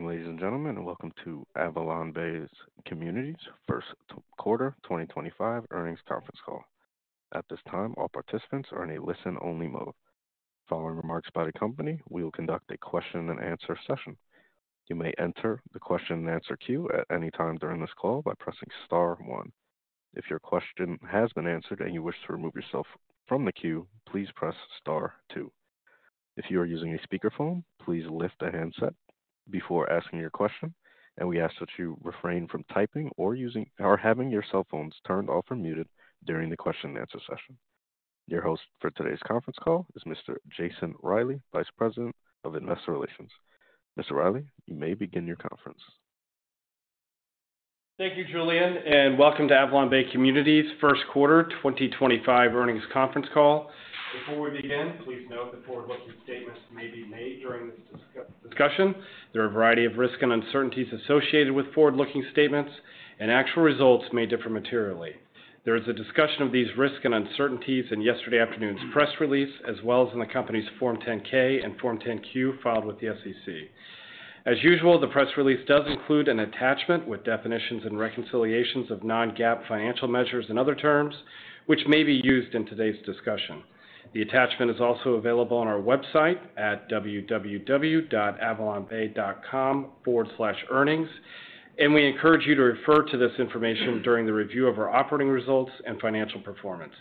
Good morning, ladies and gentlemen, and welcome to AvalonBay Communities' first quarter 2025 earnings conference call. At this time, all participants are in a listen-only mode. Following remarks by the company, we will conduct a question-and-answer session. You may enter the question-and-answer queue at any time during this call by pressing Star one. If your question has been answered and you wish to remove yourself from the queue, please press Star two. If you are using a speakerphone, please lift a handset before asking your question, and we ask that you refrain from typing or having your cell phones turned off or muted during the question-and-answer session. Your host for today's conference call is Mr. Jason Reilley, Vice President of Investor Relations. Mr. Reilley, you may begin your conference. Thank you, Julian, and welcome to AvalonBay Communities' first quarter 2025 earnings conference call. Before we begin, please note that forward-looking statements may be made during this discussion. There are a variety of risks and uncertainties associated with forward-looking statements, and actual results may differ materially. There is a discussion of these risks and uncertainties in yesterday afternoon's press release, as well as in the company's Form 10-K and Form 10-Q filed with the SEC. As usual, the press release does include an attachment with definitions and reconciliations of non-GAAP financial measures and other terms, which may be used in today's discussion. The attachment is also available on our website at www.avalonbay.com/earnings, and we encourage you to refer to this information during the review of our operating results and financial performance.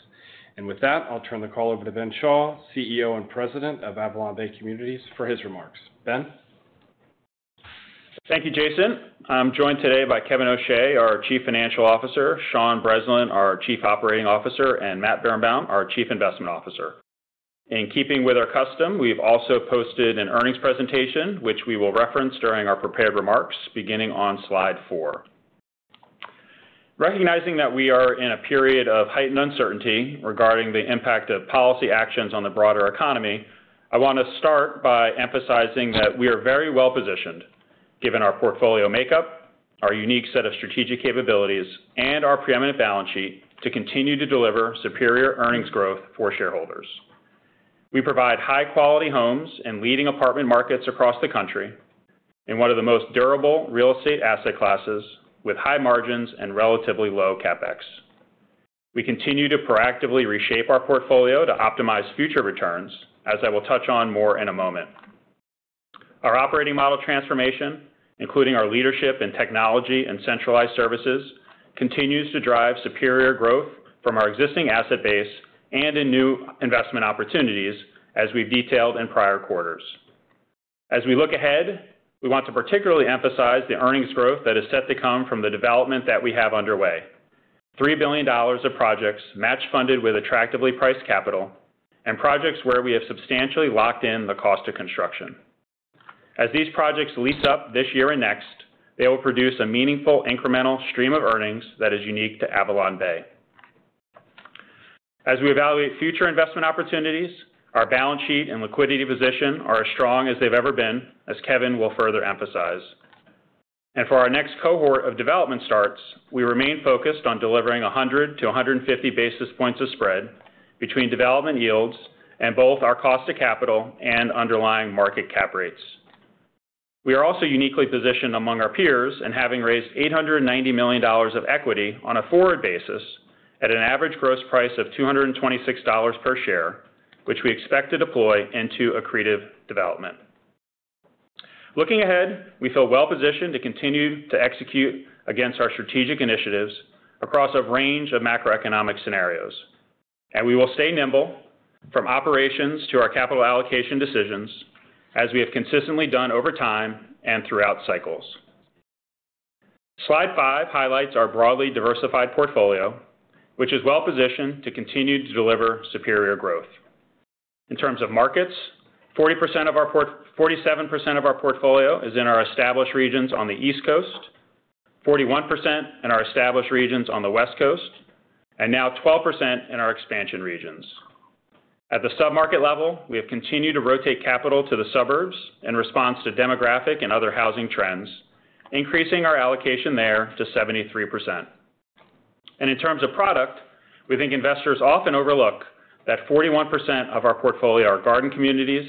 With that, I'll turn the call over to Ben Schall, CEO and President of AvalonBay Communities, for his remarks. Ben? Thank you, Jason. I'm joined today by Kevin O'Shea, our Chief Financial Officer, Sean Breslin, our Chief Operating Officer, and Matt Birenbaum, our Chief Investment Officer. In keeping with our custom, we've also posted an earnings presentation, which we will reference during our prepared remarks, beginning on slide four. Recognizing that we are in a period of heightened uncertainty regarding the impact of policy actions on the broader economy, I want to start by emphasizing that we are very well positioned, given our portfolio makeup, our unique set of strategic capabilities, and our preeminent balance sheet, to continue to deliver superior earnings growth for shareholders. We provide high-quality homes in leading apartment markets across the country in one of the most durable real estate asset classes, with high margins and relatively low CapEx. We continue to proactively reshape our portfolio to optimize future returns, as I will touch on more in a moment. Our operating model transformation, including our leadership in technology and centralized services, continues to drive superior growth from our existing asset base and in new investment opportunities, as we've detailed in prior quarters. As we look ahead, we want to particularly emphasize the earnings growth that is set to come from the development that we have underway: $3 billion of projects match-funded with attractively priced capital, and projects where we have substantially locked in the cost of construction. As these projects lease up this year and next, they will produce a meaningful incremental stream of earnings that is unique to AvalonBay. As we evaluate future investment opportunities, our balance sheet and liquidity position are as strong as they've ever been, as Kevin will further emphasize. For our next cohort of development starts, we remain focused on delivering 100-150 basis points of spread between development yields and both our cost of capital and underlying market cap rates. We are also uniquely positioned among our peers in having raised $890 million of equity on a forward basis at an average gross price of $226 per share, which we expect to deploy into accretive development. Looking ahead, we feel well positioned to continue to execute against our strategic initiatives across a range of macroeconomic scenarios, and we will stay nimble from operations to our capital allocation decisions, as we have consistently done over time and throughout cycles. Slide five highlights our broadly diversified portfolio, which is well positioned to continue to deliver superior growth. In terms of markets, 47% of our portfolio is in our established regions on the East Coast, 41% in our established regions on the West Coast, and now 12% in our expansion regions. At the submarket level, we have continued to rotate capital to the suburbs in response to demographic and other housing trends, increasing our allocation there to 73%. In terms of product, we think investors often overlook that 41% of our portfolio are garden communities,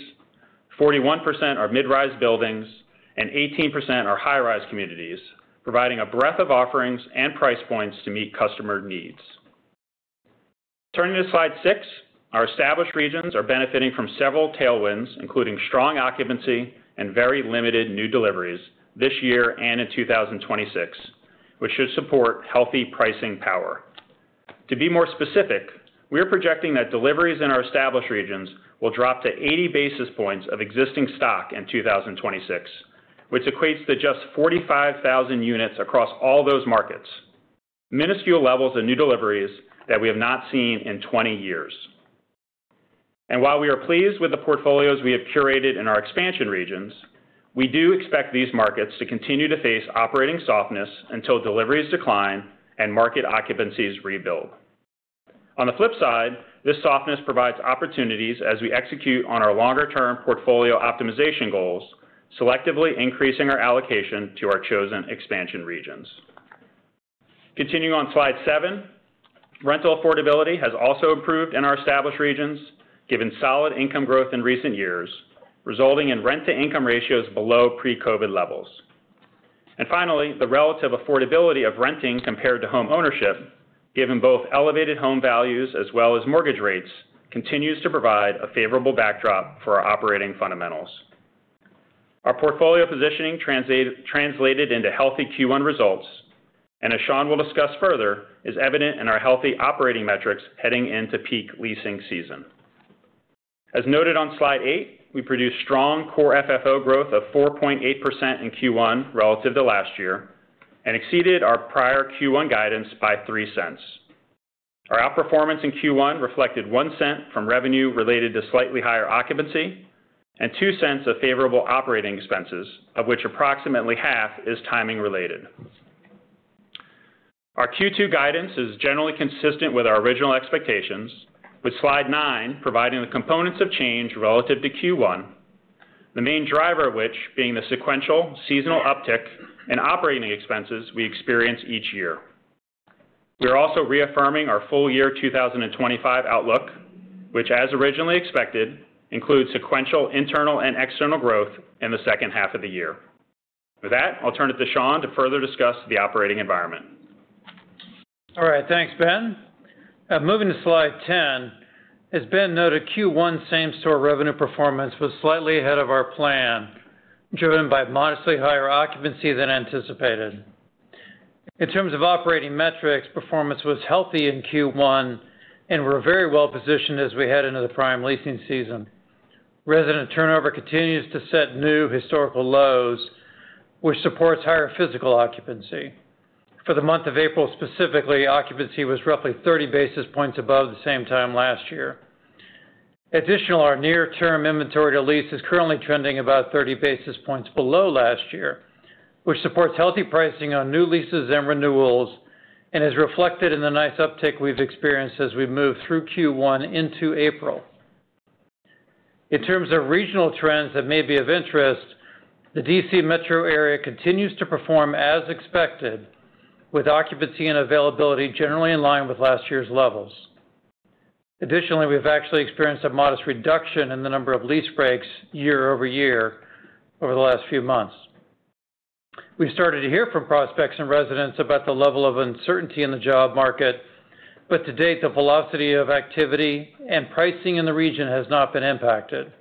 41% are mid-rise buildings, and 18% are high-rise communities, providing a breadth of offerings and price points to meet customer needs. Turning to slide six, our established regions are benefiting from several tailwinds, including strong occupancy and very limited new deliveries this year and in 2026, which should support healthy pricing power. To be more specific, we are projecting that deliveries in our established regions will drop to 80 basis points of existing stock in 2026, which equates to just 45,000 units across all those markets, minuscule levels of new deliveries that we have not seen in 20 years. While we are pleased with the portfolios we have curated in our expansion regions, we do expect these markets to continue to face operating softness until deliveries decline and market occupancies rebuild. On the flip side, this softness provides opportunities as we execute on our longer-term portfolio optimization goals, selectively increasing our allocation to our chosen expansion regions. Continuing on slide seven, rental affordability has also improved in our established regions, given solid income growth in recent years, resulting in rent-to-income ratios below pre-COVID levels. The relative affordability of renting compared to homeownership, given both elevated home values as well as mortgage rates, continues to provide a favorable backdrop for our operating fundamentals. Our portfolio positioning translated into healthy Q1 results, and as Sean will discuss further, is evident in our healthy operating metrics heading into peak leasing season. As noted on slide eight, we produced strong core FFO growth of 4.8% in Q1 relative to last year and exceeded our prior Q1 guidance by 3 cents. Our outperformance in Q1 reflected 1 cent from revenue related to slightly higher occupancy and 2 cents of favorable operating expenses, of which approximately half is timing-related. Our Q2 guidance is generally consistent with our original expectations, with slide nine providing the components of change relative to Q1, the main driver of which being the sequential seasonal uptick in operating expenses we experience each year. We are also reaffirming our full year 2025 outlook, which, as originally expected, includes sequential internal and external growth in the second half of the year. With that, I'll turn it to Sean to further discuss the operating environment. All right. Thanks, Ben. Moving to slide ten, as Ben noted, Q1 same-store revenue performance was slightly ahead of our plan, driven by modestly higher occupancy than anticipated. In terms of operating metrics, performance was healthy in Q1 and we were very well positioned as we head into the prime leasing season. Resident turnover continues to set new historical lows, which supports higher physical occupancy. For the month of April specifically, occupancy was roughly 30 basis points above the same time last year. Additionally, our near-term inventory to lease is currently trending about 30 basis points below last year, which supports healthy pricing on new leases and renewals and is reflected in the nice uptick we've experienced as we move through Q1 into April. In terms of regional trends that may be of interest, the DC metro area continues to perform as expected, with occupancy and availability generally in line with last year's levels. Additionally, we've actually experienced a modest reduction in the number of lease breaks year over year over the last few months. We started to hear from prospects and residents about the level of uncertainty in the job market, but to date, the velocity of activity and pricing in the region has not been impacted.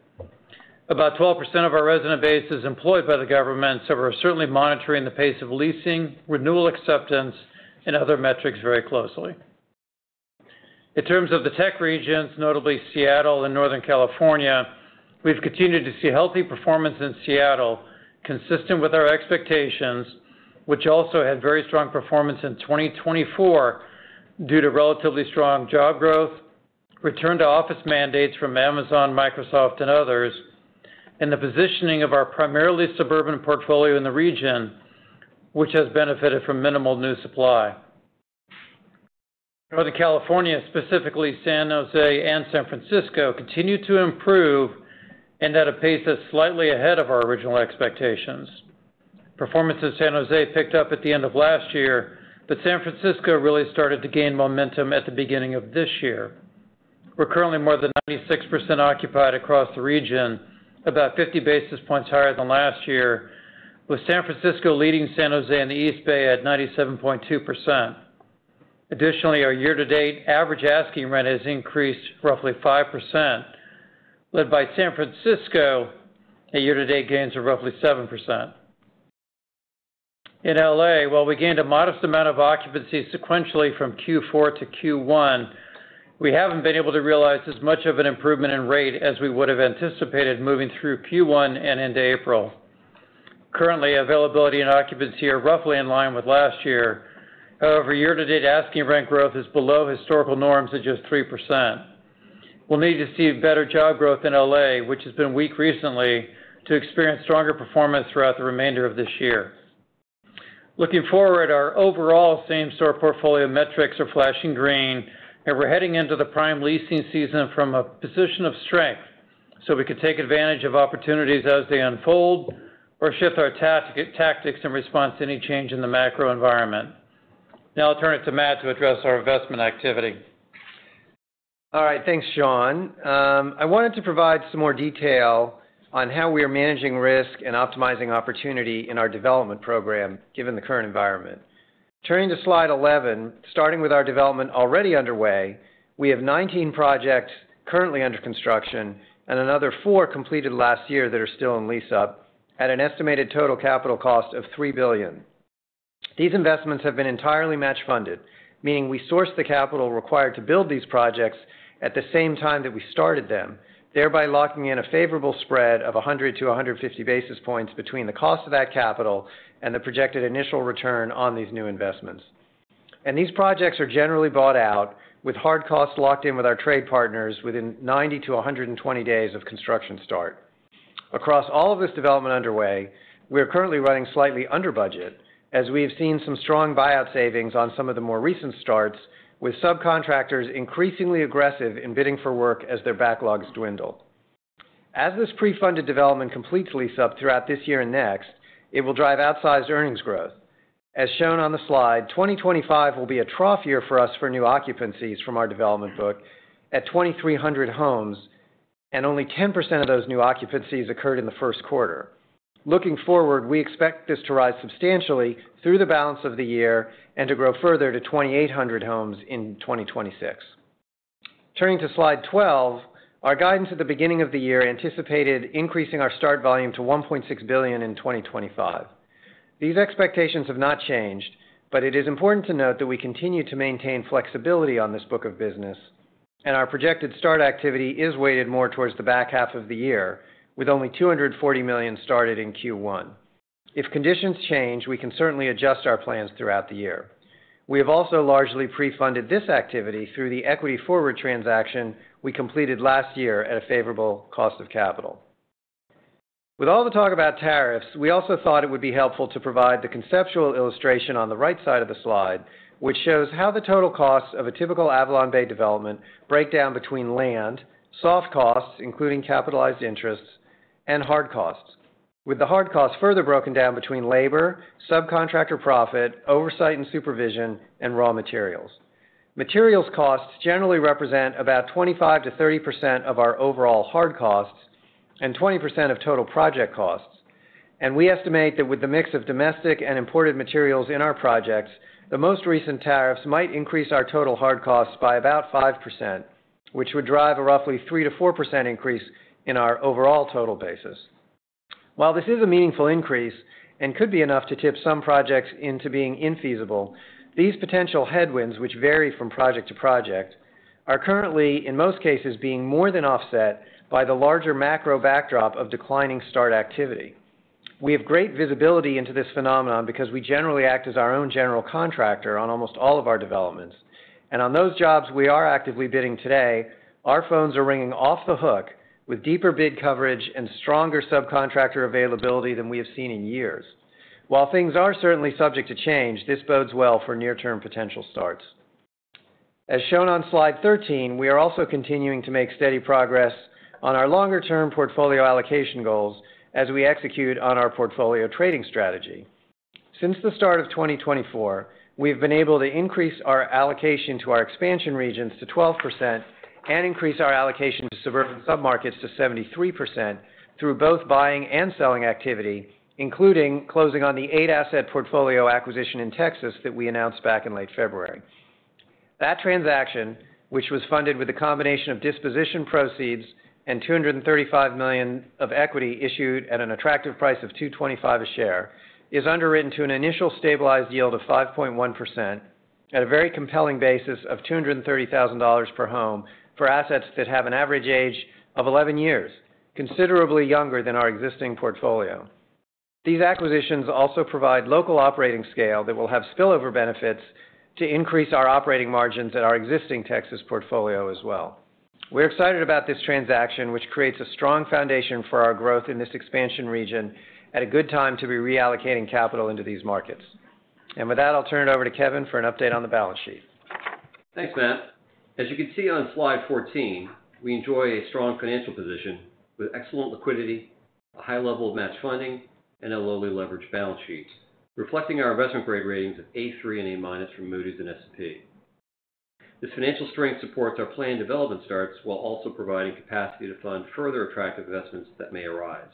About 12% of our resident base is employed by the government, so we're certainly monitoring the pace of leasing, renewal acceptance, and other metrics very closely. In terms of the tech regions, notably Seattle and Northern California, we've continued to see healthy performance in Seattle, consistent with our expectations, which also had very strong performance in 2024 due to relatively strong job growth, return-to-office mandates from Amazon, Microsoft, and others, and the positioning of our primarily suburban portfolio in the region, which has benefited from minimal new supply. Northern California, specifically San Jose and San Francisco, continued to improve and at a pace that's slightly ahead of our original expectations. Performance in San Jose picked up at the end of last year, but San Francisco really started to gain momentum at the beginning of this year. We're currently more than 96% occupied across the region, about 50 basis points higher than last year, with San Francisco leading San Jose and the East Bay at 97.2%. Additionally, our year-to-date average asking rent has increased roughly 5%, led by San Francisco at year-to-date gains of roughly 7%. In LA, while we gained a modest amount of occupancy sequentially from Q4 to Q1, we haven't been able to realize as much of an improvement in rate as we would have anticipated moving through Q1 and into April. Currently, availability and occupancy are roughly in line with last year. However, year-to-date asking rent growth is below historical norms at just 3%. We'll need to see better job growth in LA, which has been weak recently, to experience stronger performance throughout the remainder of this year. Looking forward, our overall same-store portfolio metrics are flashing green, and we're heading into the prime leasing season from a position of strength, so we can take advantage of opportunities as they unfold or shift our tactics in response to any change in the macro environment. Now I'll turn it to Matt to address our investment activity. All right. Thanks, Sean. I wanted to provide some more detail on how we are managing risk and optimizing opportunity in our development program, given the current environment. Turning to slide 11, starting with our development already underway, we have 19 projects currently under construction and another four completed last year that are still in lease-up at an estimated total capital cost of $3 billion. These investments have been entirely match-funded, meaning we sourced the capital required to build these projects at the same time that we started them, thereby locking in a favorable spread of 100 to 150 basis points between the cost of that capital and the projected initial return on these new investments. These projects are generally bought out with hard costs locked in with our trade partners within 90 to 120 days of construction start. Across all of this development underway, we are currently running slightly under budget, as we have seen some strong buyout savings on some of the more recent starts, with subcontractors increasingly aggressive in bidding for work as their backlogs dwindle. As this pre-funded development completes lease-up throughout this year and next, it will drive outsized earnings growth. As shown on the slide, 2025 will be a trough year for us for new occupancies from our development book at 2,300 homes, and only 10% of those new occupancies occurred in the first quarter. Looking forward, we expect this to rise substantially through the balance of the year and to grow further to 2,800 homes in 2026. Turning to slide 12, our guidance at the beginning of the year anticipated increasing our start volume to $1.6 billion in 2025. These expectations have not changed, but it is important to note that we continue to maintain flexibility on this book of business, and our projected start activity is weighted more towards the back half of the year, with only $240 million started in Q1. If conditions change, we can certainly adjust our plans throughout the year. We have also largely pre-funded this activity through the equity forward transaction we completed last year at a favorable cost of capital. With all the talk about tariffs, we also thought it would be helpful to provide the conceptual illustration on the right side of the slide, which shows how the total costs of a typical AvalonBay development break down between land, soft costs, including capitalized interest, and hard costs, with the hard costs further broken down between labor, subcontractor profit, oversight and supervision, and raw materials. Materials costs generally represent about 25% to 30% of our overall hard costs and 20% of total project costs, and we estimate that with the mix of domestic and imported materials in our projects, the most recent tariffs might increase our total hard costs by about 5%, which would drive a roughly 3%-4% increase in our overall total basis. While this is a meaningful increase and could be enough to tip some projects into being infeasible, these potential headwinds, which vary from project to project, are currently, in most cases, being more than offset by the larger macro backdrop of declining start activity. We have great visibility into this phenomenon because we generally act as our own general contractor on almost all of our developments, and on those jobs we are actively bidding today, our phones are ringing off the hook with deeper bid coverage and stronger subcontractor availability than we have seen in years. While things are certainly subject to change, this bodes well for near-term potential starts. As shown on slide 13, we are also continuing to make steady progress on our longer-term portfolio allocation goals as we execute on our portfolio trading strategy. Since the start of 2024, we have been able to increase our allocation to our expansion regions to 12% and increase our allocation to suburban submarkets to 73% through both buying and selling activity, including closing on the eight-asset portfolio acquisition in Texas that we announced back in late February. That transaction, which was funded with a combination of disposition proceeds and $235 million of equity issued at an attractive price of $225 a share, is underwritten to an initial stabilized yield of 5.1% at a very compelling basis of $230,000 per home for assets that have an average age of 11 years, considerably younger than our existing portfolio. These acquisitions also provide local operating scale that will have spillover benefits to increase our operating margins at our existing Texas portfolio as well. We are excited about this transaction, which creates a strong foundation for our growth in this expansion region at a good time to be reallocating capital into these markets. With that, I will turn it over to Kevin for an update on the balance sheet. Thanks, Matt. As you can see on slide 14, we enjoy a strong financial position with excellent liquidity, a high level of match funding, and a lowly leveraged balance sheet, reflecting our investment-grade ratings of A3 and A- from Moody's and S&P. This financial strength supports our planned development starts while also providing capacity to fund further attractive investments that may arise.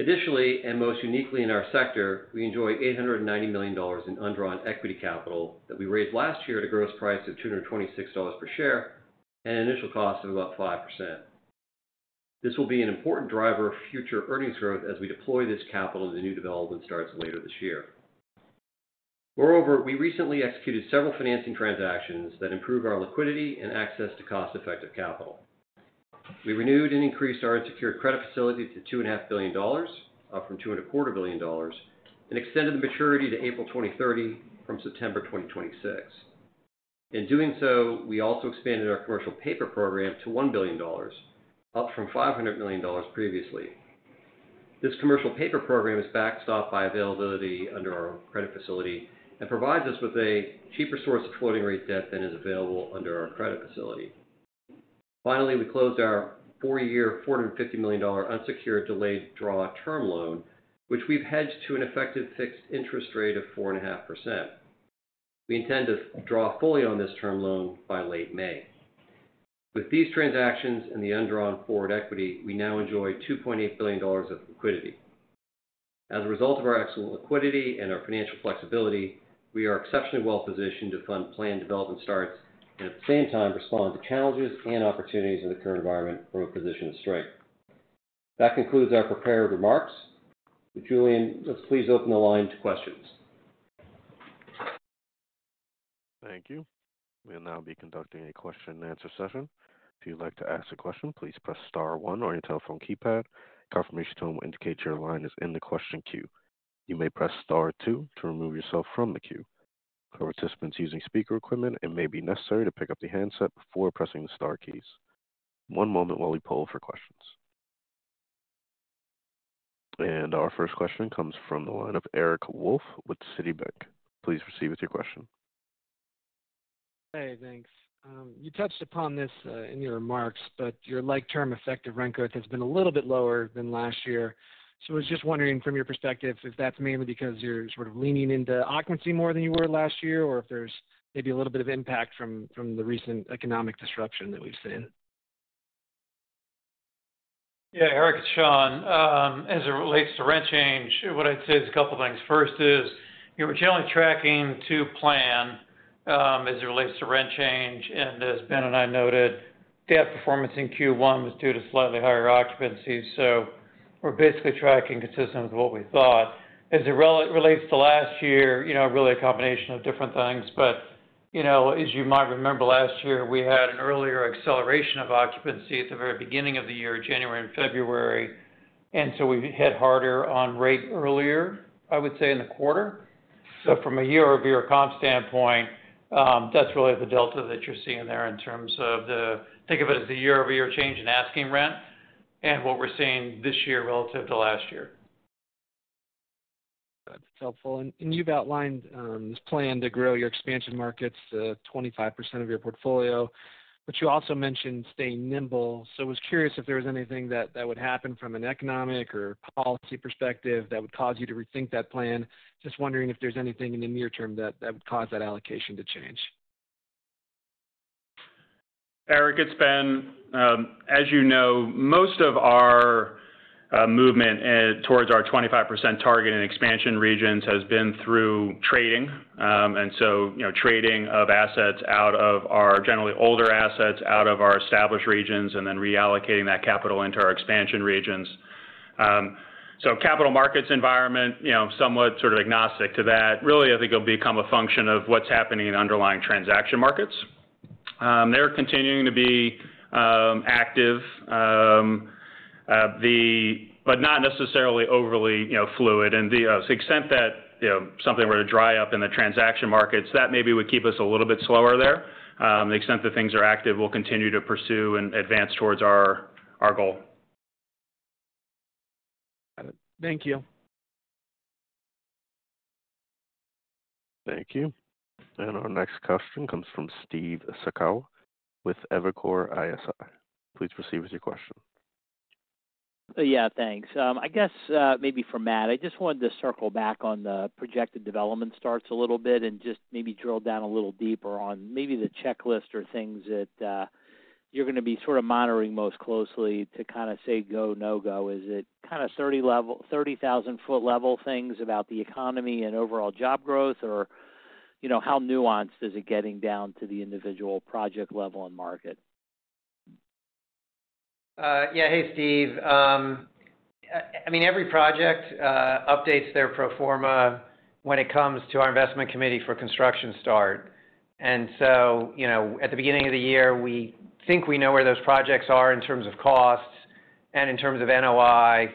Additionally, and most uniquely in our sector, we enjoy $890 million in undrawn equity capital that we raised last year at a gross price of $226 per share and an initial cost of about 5%. This will be an important driver of future earnings growth as we deploy this capital into new development starts later this year. Moreover, we recently executed several financing transactions that improve our liquidity and access to cost-effective capital. We renewed and increased our unsecured credit facility to $2.5 billion, up from $2.25 billion, and extended the maturity to April 2030 from September 2026. In doing so, we also expanded our commercial paper program to $1 billion, up from $500 million previously. This commercial paper program is backstopped by availability under our credit facility and provides us with a cheaper source of floating-rate debt than is available under our credit facility. Finally, we closed our four-year, $450 million unsecured delayed draw term loan, which we've hedged to an effective fixed interest rate of 4.5%. We intend to draw fully on this term loan by late May. With these transactions and the undrawn forward equity, we now enjoy $2.8 billion of liquidity. As a result of our excellent liquidity and our financial flexibility, we are exceptionally well positioned to fund planned development starts and, at the same time, respond to challenges and opportunities of the current environment from a position of strength. That concludes our prepared remarks. Julian, let's please open the line to questions. Thank you. We will now be conducting a question-and-answer session. If you would like to ask a question, please press Star 1 on your telephone keypad. Confirmation will indicate your line is in the question queue. You may press Star 2 to remove yourself from the queue. For participants using speaker equipment, it may be necessary to pick up the handset before pressing the Star keys. One moment while we poll for questions. Our first question comes from the line of Eric Wolfe with Citibank. Please proceed with your question. Hey, thanks. You touched upon this in your remarks, but your like-term effective rent growth has been a little bit lower than last year. I was just wondering, from your perspective, if that's mainly because you're sort of leaning into occupancy more than you were last year, or if there's maybe a little bit of impact from the recent economic disruption that we've seen. Yeah, Eric and Sean, as it relates to rent change, what I'd say is a couple of things. First is we're generally tracking to plan as it relates to rent change, and as Ben and I noted, that performance in Q1 was due to slightly higher occupancy, so we're basically tracking consistent with what we thought. As it relates to last year, really a combination of different things, but as you might remember, last year, we had an earlier acceleration of occupancy at the very beginning of the year, January and February, and we hit harder on rate earlier, I would say, in the quarter. From a year-over-year comp standpoint, that's really the delta that you're seeing there in terms of the—think of it as a year-over-year change in asking rent and what we're seeing this year relative to last year. That's helpful. You have outlined this plan to grow your expansion markets to 25% of your portfolio, but you also mentioned staying nimble. I was curious if there was anything that would happen from an economic or policy perspective that would cause you to rethink that plan. Just wondering if there's anything in the near term that would cause that allocation to change. Eric, it's Ben. As you know, most of our movement towards our 25% target in expansion regions has been through trading, and trading of assets out of our generally older assets out of our established regions and then reallocating that capital into our expansion regions. Capital markets environment, somewhat sort of agnostic to that, really, I think it'll become a function of what's happening in underlying transaction markets. They're continuing to be active, but not necessarily overly fluid. To the extent that something were to dry up in the transaction markets, that maybe would keep us a little bit slower there. The extent that things are active, we'll continue to pursue and advance towards our goal. Got it. Thank you. Thank you. Our next question comes from Steve Saccow with Evercore ISI. Please proceed with your question. Yeah, thanks. I guess maybe for Matt, I just wanted to circle back on the projected development starts a little bit and just maybe drill down a little deeper on maybe the checklist or things that you're going to be sort of monitoring most closely to kind of say go, no go. Is it kind of 30,000-foot level things about the economy and overall job growth, or how nuanced is it getting down to the individual project level and market? Yeah, hey, Steve. I mean, every project updates their pro forma when it comes to our investment committee for construction start. At the beginning of the year, we think we know where those projects are in terms of costs and in terms of NOI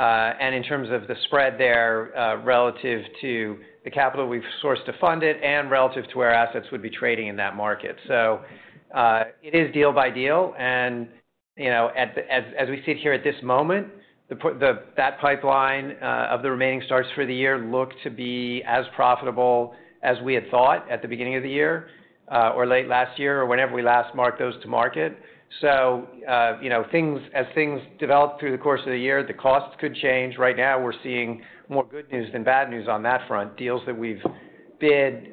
and in terms of the spread there relative to the capital we've sourced to fund it and relative to where assets would be trading in that market. It is deal by deal. As we sit here at this moment, that pipeline of the remaining starts for the year look to be as profitable as we had thought at the beginning of the year or late last year or whenever we last marked those to market. As things develop through the course of the year, the costs could change. Right now, we're seeing more good news than bad news on that front. Deals that we've bid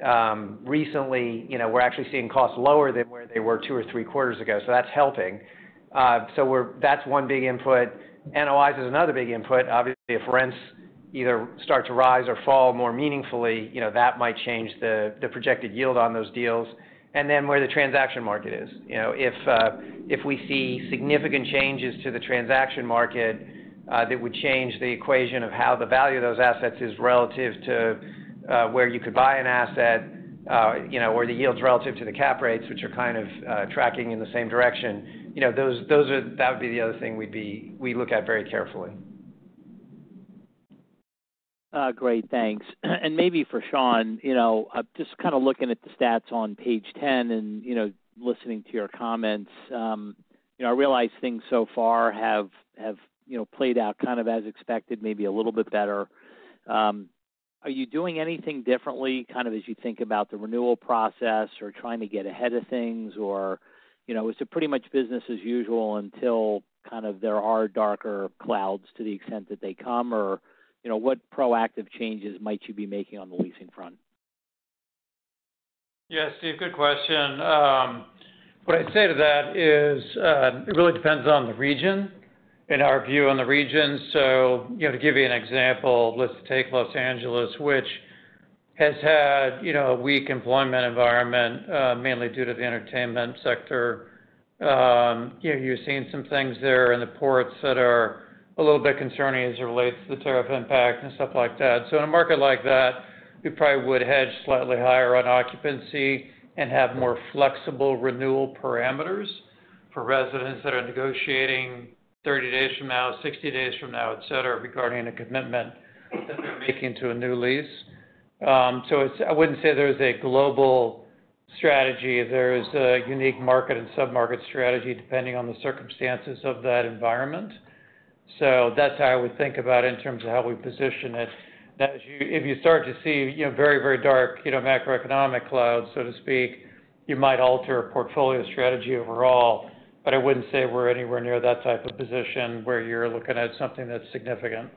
recently, we're actually seeing costs lower than where they were two or three quarters ago, so that's helping. That's one big input. NOI is another big input. Obviously, if rents either start to rise or fall more meaningfully, that might change the projected yield on those deals. If we see significant changes to the transaction market that would change the equation of how the value of those assets is relative to where you could buy an asset or the yields relative to the cap rates, which are kind of tracking in the same direction, that would be the other thing we look at very carefully. Great, thanks. Maybe for Sean, just kind of looking at the stats on page 10 and listening to your comments, I realize things so far have played out kind of as expected, maybe a little bit better. Are you doing anything differently kind of as you think about the renewal process or trying to get ahead of things, or is it pretty much business as usual until kind of there are darker clouds to the extent that they come, or what proactive changes might you be making on the leasing front? Yeah, Steve, good question. What I'd say to that is it really depends on the region and our view on the region. To give you an example, let's take Los Angeles, which has had a weak employment environment mainly due to the entertainment sector. You're seeing some things there in the ports that are a little bit concerning as it relates to the tariff impact and stuff like that. In a market like that, we probably would hedge slightly higher on occupancy and have more flexible renewal parameters for residents that are negotiating 30 days from now, 60 days from now, etc., regarding a commitment that they're making to a new lease. I wouldn't say there's a global strategy. There is a unique market and submarket strategy depending on the circumstances of that environment. That's how I would think about it in terms of how we position it. If you start to see very, very dark macroeconomic clouds, so to speak, you might alter a portfolio strategy overall, but I wouldn't say we're anywhere near that type of position where you're looking at something that's significant.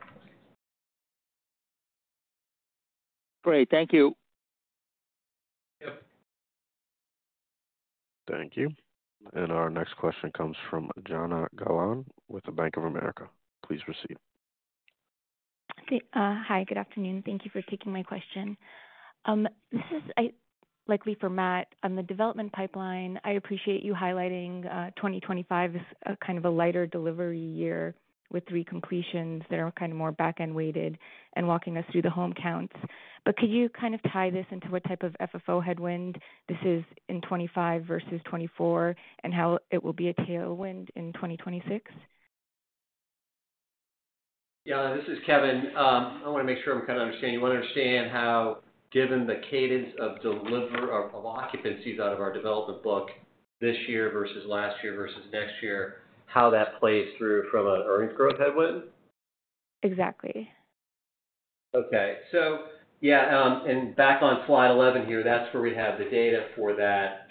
Great, thank you. Yep. Thank you. Our next question comes from Jana Gallant with Bank of America. Please proceed. Hi, good afternoon. Thank you for taking my question. This is likely for Matt. On the development pipeline, I appreciate you highlighting 2025 as kind of a lighter delivery year with three completions that are kind of more back-end weighted and walking us through the home counts. Could you kind of tie this into what type of FFO headwind this is in 2025 versus 2024 and how it will be a tailwind in 2026? Yeah, this is Kevin. I want to make sure I'm kind of understanding. You want to understand how, given the cadence of occupancies out of our development book this year versus last year versus next year, how that plays through from an earnings growth headwind? Exactly. Okay. Yeah, and back on slide 11 here, that's where we have the data for that.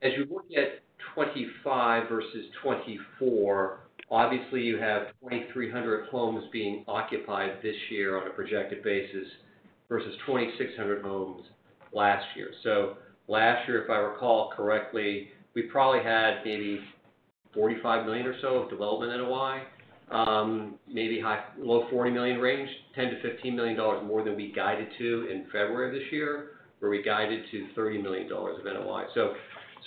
As you look at 2025 versus 2024, obviously, you have 2,300 homes being occupied this year on a projected basis versus 2,600 homes last year. Last year, if I recall correctly, we probably had maybe $45 million or so of development NOI, maybe low $40 million range, $10-$15 million more than we guided to in February of this year, where we guided to $30 million of NOI.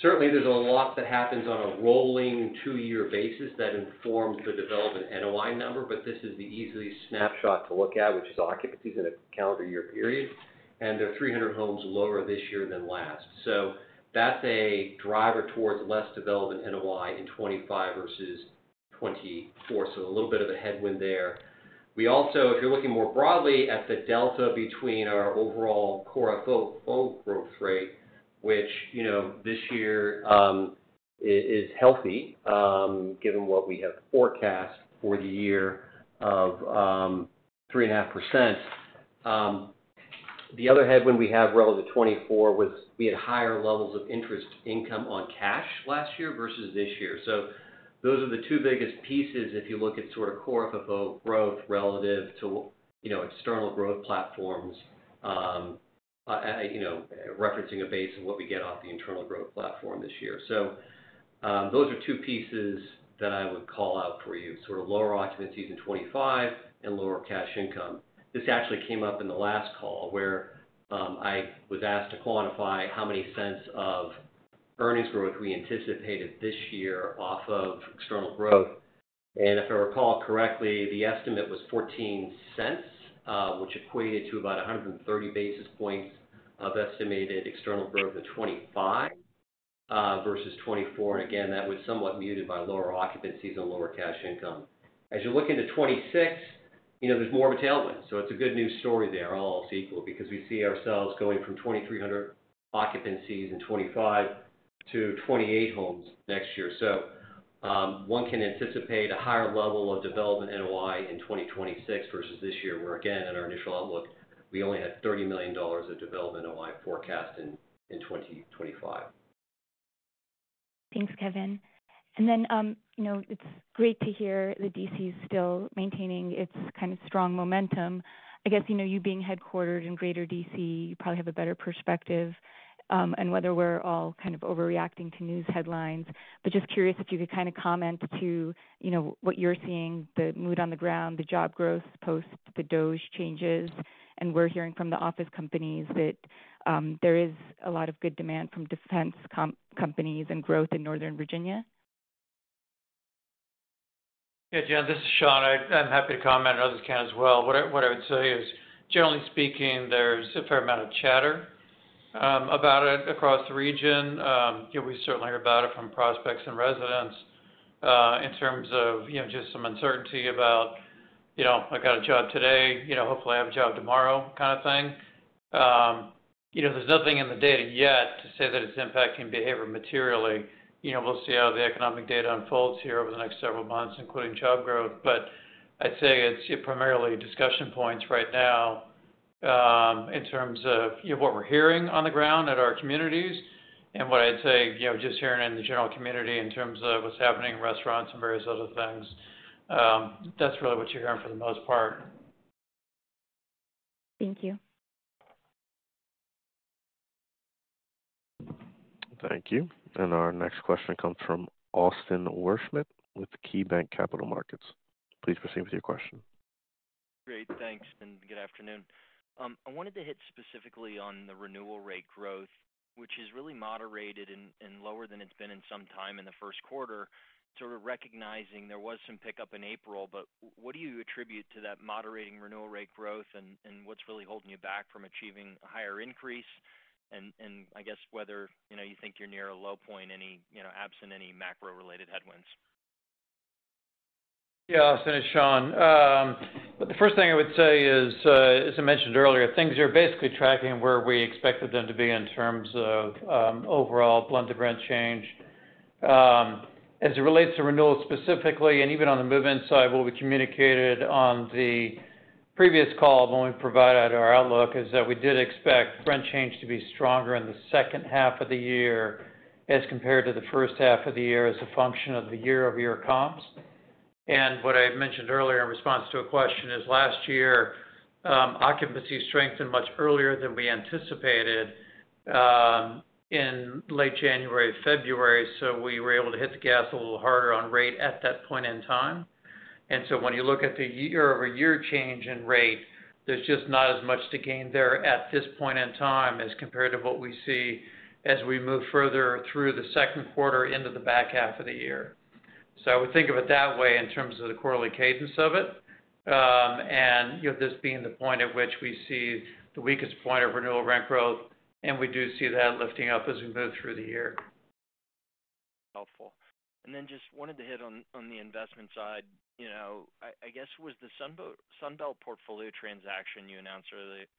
Certainly, there's a lot that happens on a rolling two-year basis that informs the development NOI number, but this is the easiest snapshot to look at, which is occupancies in a calendar year period, and there are 300 homes lower this year than last. That is a driver towards less development NOI in 2025 versus 2024, so a little bit of a headwind there. We also, if you are looking more broadly at the delta between our overall core FFO growth rate, which this year is healthy given what we have forecast for the year of 3.5%. The other headwind we have relative to 2024 was we had higher levels of interest income on cash last year versus this year. Those are the two biggest pieces if you look at sort of core FFO growth relative to external growth platforms, referencing a base of what we get off the internal growth platform this year. Those are two pieces that I would call out for you, sort of lower occupancies in 2025 and lower cash income. This actually came up in the last call where I was asked to quantify how many cents of earnings growth we anticipated this year off of external growth. If I recall correctly, the estimate was 14 cents, which equated to about 130 basis points of estimated external growth of 25 versus 2024. That was somewhat muted by lower occupancies and lower cash income. As you look into 2026, there is more of a tailwind. It is a good news story there, all else equal, because we see ourselves going from 2,300 occupancies in 2025 to 28 homes next year. One can anticipate a higher level of development NOI in 2026 versus this year where, in our initial outlook, we only had $30 million of development NOI forecast in 2025. Thanks, Kevin. It's great to hear the DC is still maintaining its kind of strong momentum. I guess you being headquartered in greater DC, you probably have a better perspective on whether we're all kind of overreacting to news headlines. Just curious if you could kind of comment to what you're seeing, the mood on the ground, the job growth post the DOGE changes, and we're hearing from the office companies that there is a lot of good demand from defense companies and growth in Northern Virginia. Yeah, Jen, this is Sean. I'm happy to comment on, others can as well. What I would say is, generally speaking, there's a fair amount of chatter about it across the region. We certainly hear about it from prospects and residents in terms of just some uncertainty about, "I got a job today. Hopefully, I have a job tomorrow," kind of thing. There's nothing in the data yet to say that it's impacting behavior materially. We'll see how the economic data unfolds here over the next several months, including job growth. I'd say it's primarily discussion points right now in terms of what we're hearing on the ground at our communities and what I'd say just hearing in the general community in terms of what's happening in restaurants and various other things. That's really what you're hearing for the most part. Thank you. Thank you. Our next question comes from Austin Worshmidt with KeyBanc Capital Markets. Please proceed with your question. Great, thanks, and good afternoon. I wanted to hit specifically on the renewal rate growth, which is really moderated and lower than it's been in some time in the first quarter, sort of recognizing there was some pickup in April. What do you attribute to that moderating renewal rate growth, and what's really holding you back from achieving a higher increase, and I guess whether you think you're near a low point, absent any macro-related headwinds? Yeah, Austin and Sean. The first thing I would say is, as I mentioned earlier, things are basically tracking where we expected them to be in terms of overall blunted rent change. As it relates to renewal specifically, and even on the movement side, what we communicated on the previous call when we provided our outlook is that we did expect rent change to be stronger in the second half of the year as compared to the first half of the year as a function of the year-over-year comps. What I mentioned earlier in response to a question is last year, occupancy strengthened much earlier than we anticipated in late January, February. We were able to hit the gas a little harder on rate at that point in time. When you look at the year-over-year change in rate, there is just not as much to gain there at this point in time as compared to what we see as we move further through the second quarter into the back half of the year. I would think of it that way in terms of the quarterly cadence of it, and this being the point at which we see the weakest point of renewal rent growth, and we do see that lifting up as we move through the year. Helpful. I just wanted to hit on the investment side. I guess was the Sunbelt portfolio transaction you announced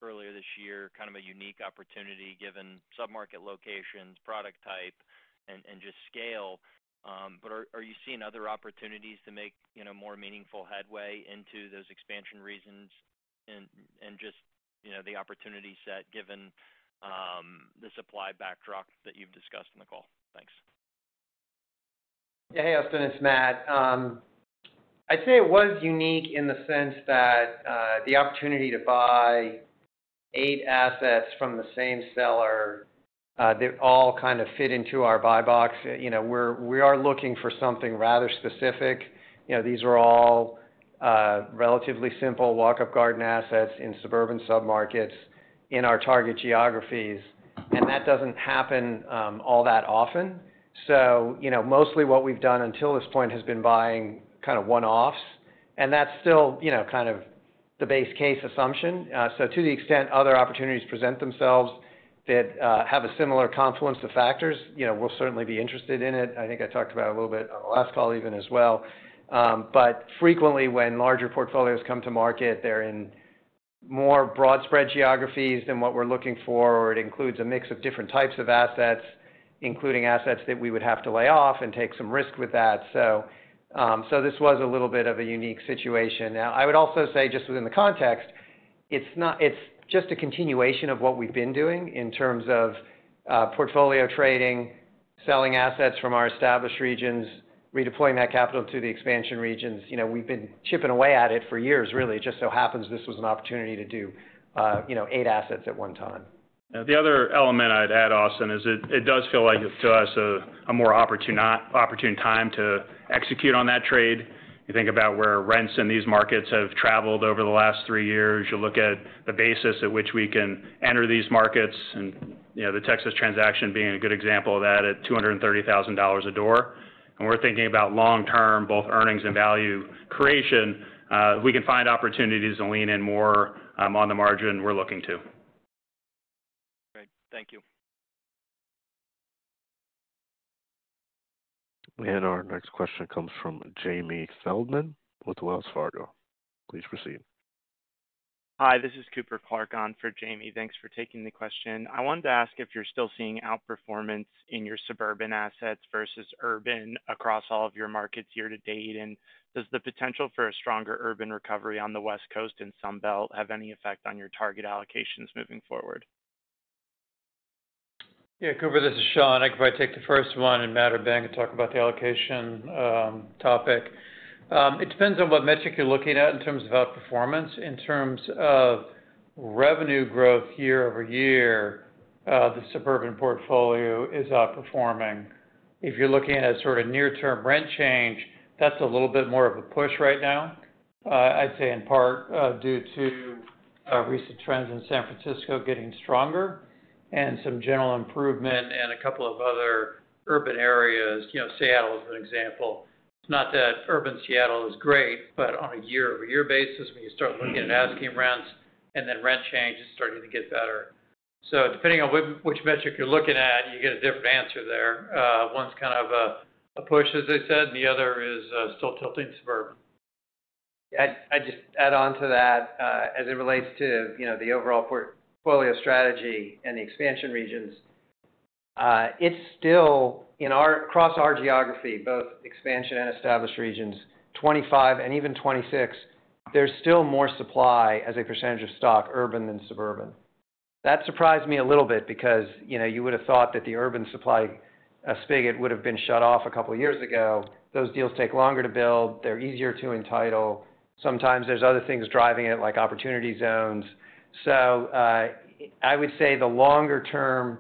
earlier this year kind of a unique opportunity given submarket locations, product type, and just scale? Are you seeing other opportunities to make more meaningful headway into those expansion regions and just the opportunity set given the supply backdrop that you've discussed in the call? Thanks. Yeah, hey, Austin, it's Matt. I'd say it was unique in the sense that the opportunity to buy eight assets from the same seller, they all kind of fit into our buy box. We are looking for something rather specific. These were all relatively simple walk-up garden assets in suburban submarkets in our target geographies, and that does not happen all that often. Mostly what we have done until this point has been buying kind of one-offs, and that is still kind of the base case assumption. To the extent other opportunities present themselves that have a similar confluence of factors, we will certainly be interested in it. I think I talked about it a little bit on the last call even as well. Frequently, when larger portfolios come to market, they're in more broad spread geographies than what we're looking for, or it includes a mix of different types of assets, including assets that we would have to lay off and take some risk with that. This was a little bit of a unique situation. I would also say just within the context, it's just a continuation of what we've been doing in terms of portfolio trading, selling assets from our established regions, redeploying that capital to the expansion regions. We've been chipping away at it for years, really. It just so happens this was an opportunity to do eight assets at one time. The other element I'd add, Austin, is it does feel like to us a more opportune time to execute on that trade. You think about where rents in these markets have traveled over the last three years. You look at the basis at which we can enter these markets, and the Texas transaction being a good example of that at $230,000 a door. And we're thinking about long-term both earnings and value creation. If we can find opportunities to lean in more on the margin, we're looking to. Great. Thank you. Our next question comes from Jamie Feldman with Wells Fargo. Please proceed. Hi, this is Cooper Clark on for Jamie. Thanks for taking the question. I wanted to ask if you're still seeing outperformance in your suburban assets versus urban across all of your markets year to date, and does the potential for a stronger urban recovery on the West Coast and Sunbelt have any effect on your target allocations moving forward? Yeah, Cooper, this is Sean. I can probably take the first one and Matt or Ben can talk about the allocation topic. It depends on what metric you're looking at in terms of outperformance. In terms of revenue growth year over year, the suburban portfolio is outperforming. If you're looking at sort of near-term rent change, that's a little bit more of a push right now, I'd say in part due to recent trends in San Francisco getting stronger and some general improvement in a couple of other urban areas. Seattle is an example. It's not that urban Seattle is great, but on a year-over-year basis, when you start looking at asking rents and then rent change, it's starting to get better. Depending on which metric you're looking at, you get a different answer there. One's kind of a push, as I said, and the other is still tilting suburban. I'd just add on to that as it relates to the overall portfolio strategy and the expansion regions. It's still, across our geography, both expansion and established regions, 2025 and even 2026, there's still more supply as a percentage of stock urban than suburban. That surprised me a little bit because you would have thought that the urban supply spigot would have been shut off a couple of years ago. Those deals take longer to build. They're easier to entitle. Sometimes there's other things driving it like opportunity zones. I would say the longer-term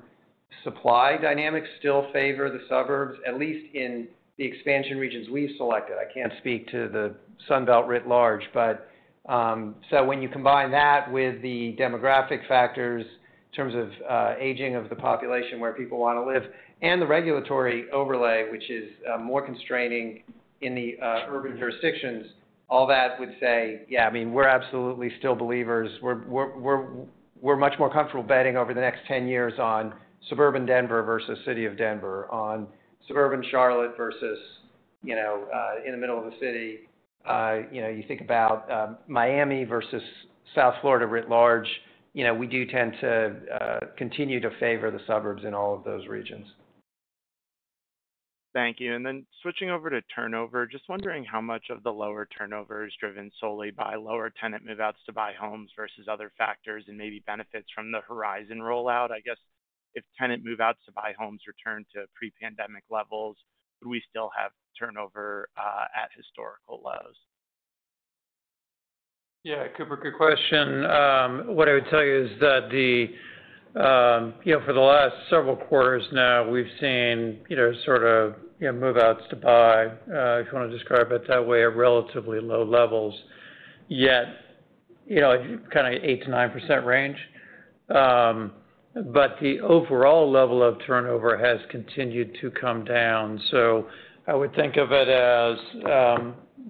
supply dynamics still favor the suburbs, at least in the expansion regions we've selected. I can't speak to the Sunbelt writ large. When you combine that with the demographic factors in terms of aging of the population where people want to live and the regulatory overlay, which is more constraining in the urban jurisdictions, all that would say, yeah, I mean, we're absolutely still believers. We're much more comfortable betting over the next 10 years on suburban Denver versus city of Denver, on suburban Charlotte versus in the middle of the city. You think about Miami versus South Florida writ large, we do tend to continue to favor the suburbs in all of those regions. Thank you. Switching over to turnover, just wondering how much of the lower turnover is driven solely by lower tenant move-outs to buy homes versus other factors and maybe benefits from the Horizon rollout. I guess if tenant move-outs to buy homes return to pre-pandemic levels, would we still have turnover at historical lows? Yeah, Cooper, good question. What I would tell you is that for the last several quarters now, we've seen sort of move-outs to buy, if you want to describe it that way, at relatively low levels, yet kind of 8-9% range. But the overall level of turnover has continued to come down. I would think of it as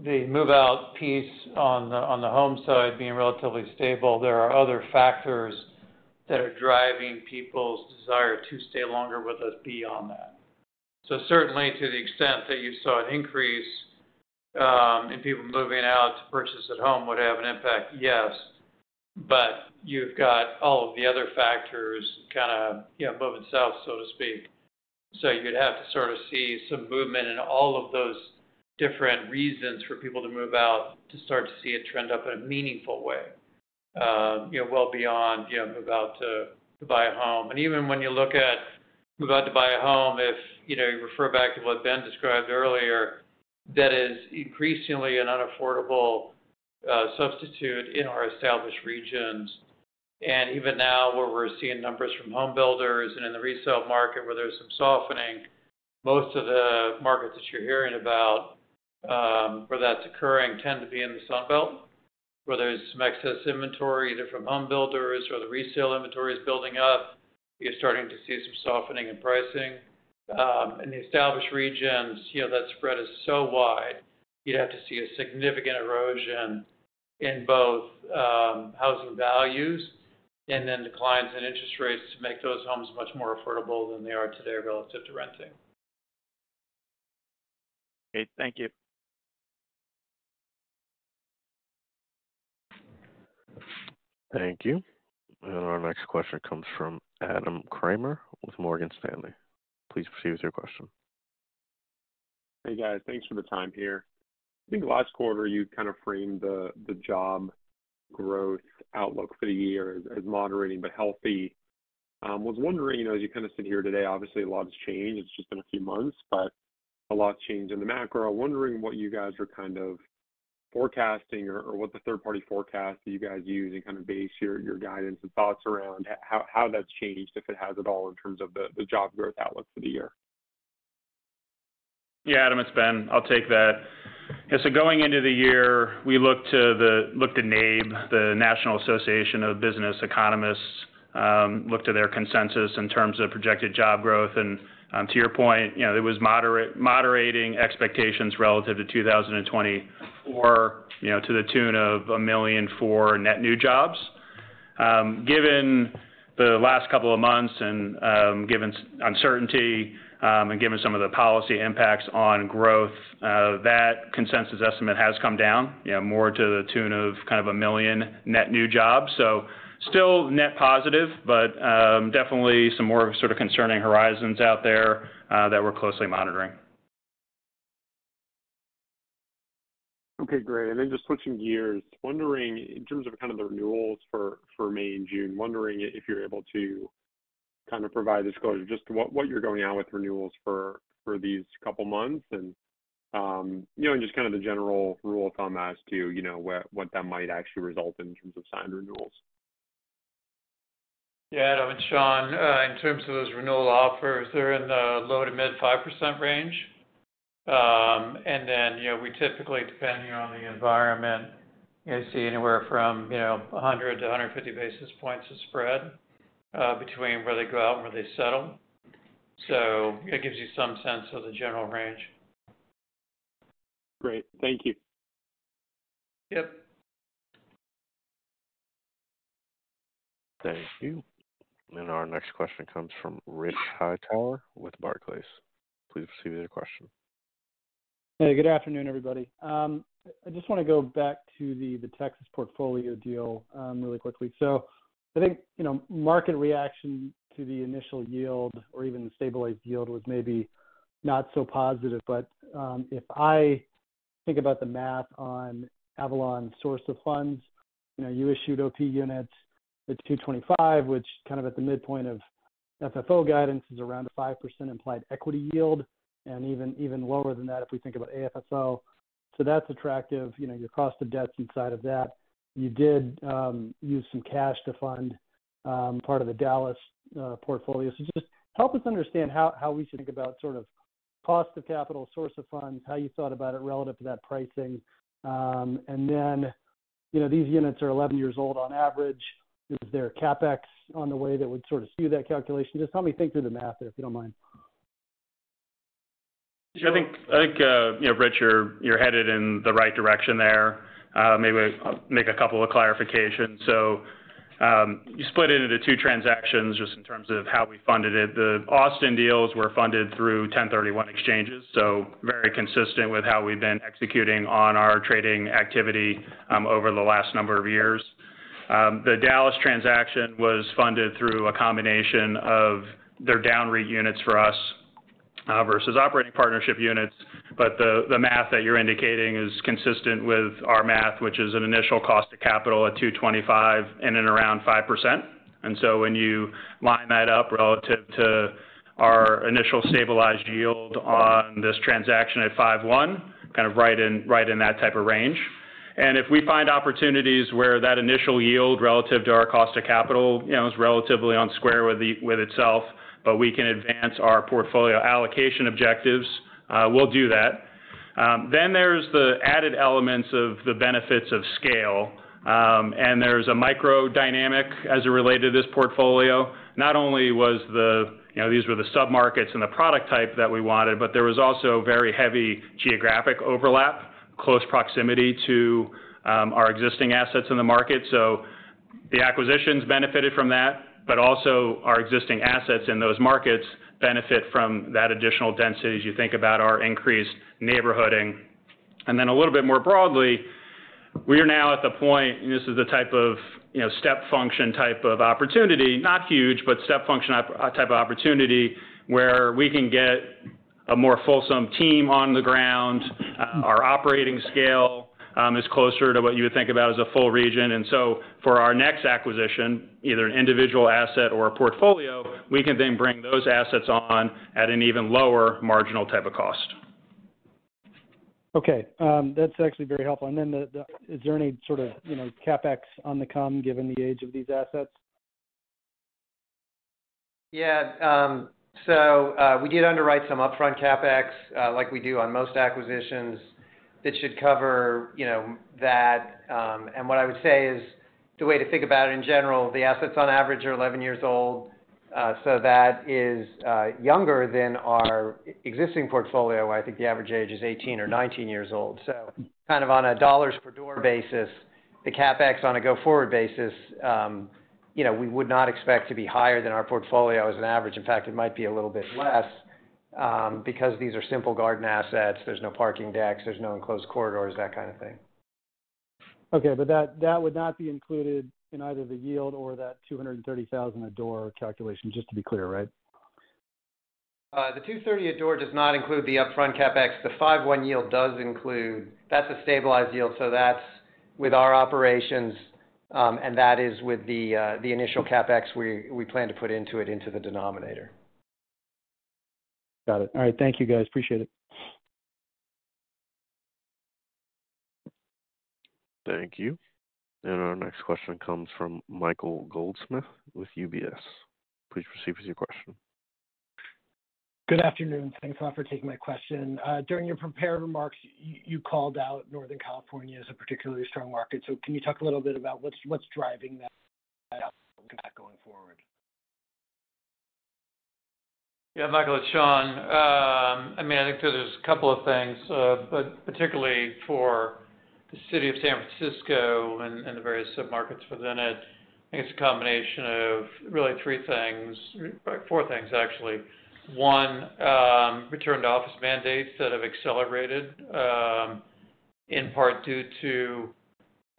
the move-out piece on the home side being relatively stable. There are other factors that are driving people's desire to stay longer with us beyond that. Certainly, to the extent that you saw an increase in people moving out to purchase at home would have an impact, yes. You've got all of the other factors kind of moving south, so to speak. You'd have to sort of see some movement in all of those different reasons for people to move out to start to see it trend up in a meaningful way, well beyond move-out to buy a home. Even when you look at move-out to buy a home, if you refer back to what Ben described earlier, that is increasingly an unaffordable substitute in our established regions. Even now, where we're seeing numbers from homebuilders and in the resale market where there's some softening, most of the markets that you're hearing about where that's occurring tend to be in the Sunbelt, where there's some excess inventory either from homebuilders or the resale inventory is building up. You're starting to see some softening in pricing. In the established regions, that spread is so wide, you'd have to see a significant erosion in both housing values and then declines in interest rates to make those homes much more affordable than they are today relative to renting. Great. Thank you. Thank you. Our next question comes from Adam Kramer with Morgan Stanley. Please proceed with your question. Hey, guys. Thanks for the time here. I think last quarter, you kind of framed the job growth outlook for the year as moderating but healthy. I was wondering, as you kind of sit here today, obviously, a lot has changed. It's just been a few months, but a lot's changed in the macro. I'm wondering what you guys are kind of forecasting or what the third-party forecast that you guys use and kind of base your guidance and thoughts around how that's changed, if it has at all, in terms of the job growth outlook for the year. Yeah, Adam, it's Ben. I'll take that. Going into the year, we looked to NABE, the National Association of Business Economists, looked at their consensus in terms of projected job growth. To your point, it was moderating expectations relative to 2024 to the tune of a million for net new jobs. Given the last couple of months and given uncertainty and given some of the policy impacts on growth, that consensus estimate has come down more to the tune of kind of a million net new jobs. Still net positive, but definitely some more sort of concerning horizons out there that we're closely monitoring. Okay. Great. Just switching gears, wondering in terms of kind of the renewals for May and June, wondering if you're able to kind of provide disclosure, just what you're going out with renewals for these couple of months and just kind of the general rule of thumb as to what that might actually result in in terms of signed renewals. Yeah, Adam, it's Sean. In terms of those renewal offers, they're in the low to mid 5% range. We typically, depending on the environment, see anywhere from 100-150 basis points of spread between where they go out and where they settle. It gives you some sense of the general range. Great. Thank you. Yep. Thank you. Our next question comes from Rich Hightower with Barclays. Please proceed with your question. Hey, good afternoon, everybody. I just want to go back to the Texas portfolio deal really quickly. I think market reaction to the initial yield or even the stabilized yield was maybe not so positive. If I think about the math on Avalon's source of funds, you issued OP units at $225, which kind of at the midpoint of FFO guidance is around a 5% implied equity yield and even lower than that if we think about AFSO. That's attractive. Your cost of debt's inside of that. You did use some cash to fund part of the Dallas portfolio. Just help us understand how we should think about sort of cost of capital, source of funds, how you thought about it relative to that pricing. These units are 11 years old on average. Is there a CapEx on the way that would sort of skew that calculation? Just help me think through the math there, if you don't mind. I think, Rich, you're headed in the right direction there. Maybe I'll make a couple of clarifications. You split it into two transactions just in terms of how we funded it. The Austin deals were funded through 1031 exchanges, so very consistent with how we've been executing on our trading activity over the last number of years. The Dallas transaction was funded through a combination of their downREIT units for us versus operating partnership units. The math that you're indicating is consistent with our math, which is an initial cost of capital at 225 and in around 5%. When you line that up relative to our initial stabilized yield on this transaction at 51, kind of right in that type of range. If we find opportunities where that initial yield relative to our cost of capital is relatively on square with itself, but we can advance our portfolio allocation objectives, we'll do that. There are the added elements of the benefits of scale. There is a microdynamic as it related to this portfolio. Not only were these the submarkets and the product type that we wanted, but there was also very heavy geographic overlap, close proximity to our existing assets in the market. The acquisitions benefited from that, but also our existing assets in those markets benefit from that additional density as you think about our increased neighborhooding. A little bit more broadly, we are now at the point, and this is the type of step function type of opportunity, not huge, but step function type of opportunity where we can get a more fulsome team on the ground. Our operating scale is closer to what you would think about as a full region. For our next acquisition, either an individual asset or a portfolio, we can then bring those assets on at an even lower marginal type of cost. Okay. That's actually very helpful. Is there any sort of CapEx on the come given the age of these assets? Yeah. We did underwrite some upfront CapEx like we do on most acquisitions that should cover that. What I would say is the way to think about it in general, the assets on average are 11 years old. That is younger than our existing portfolio. I think the average age is 18 or 19 years old. Kind of on a dollars-per-door basis, the CapEx on a go-forward basis, we would not expect to be higher than our portfolio as an average. In fact, it might be a little bit less because these are simple garden assets. There is no parking decks. There is no enclosed corridors, that kind of thing. Okay. That would not be included in either the yield or that $230,000 a door calculation, just to be clear, right? The $230 a door does not include the upfront CapEx. The 5.1% yield does include. That is a stabilized yield. That is with our operations, and that is with the initial CapEx we plan to put into it into the denominator. Got it. All right. Thank you, guys. Appreciate it. Thank you. Our next question comes from Michael Goldsmith with UBS. Please proceed with your question. Good afternoon. Thanks a lot for taking my question. During your prepared remarks, you called out Northern California as a particularly strong market. Can you talk a little bit about what's driving that going forward? Yeah, Michael, it's Sean. I mean, I think there's a couple of things, but particularly for the city of San Francisco and the various submarkets within it. I think it's a combination of really three things, four things, actually. One, return-to-office mandates that have accelerated in part due to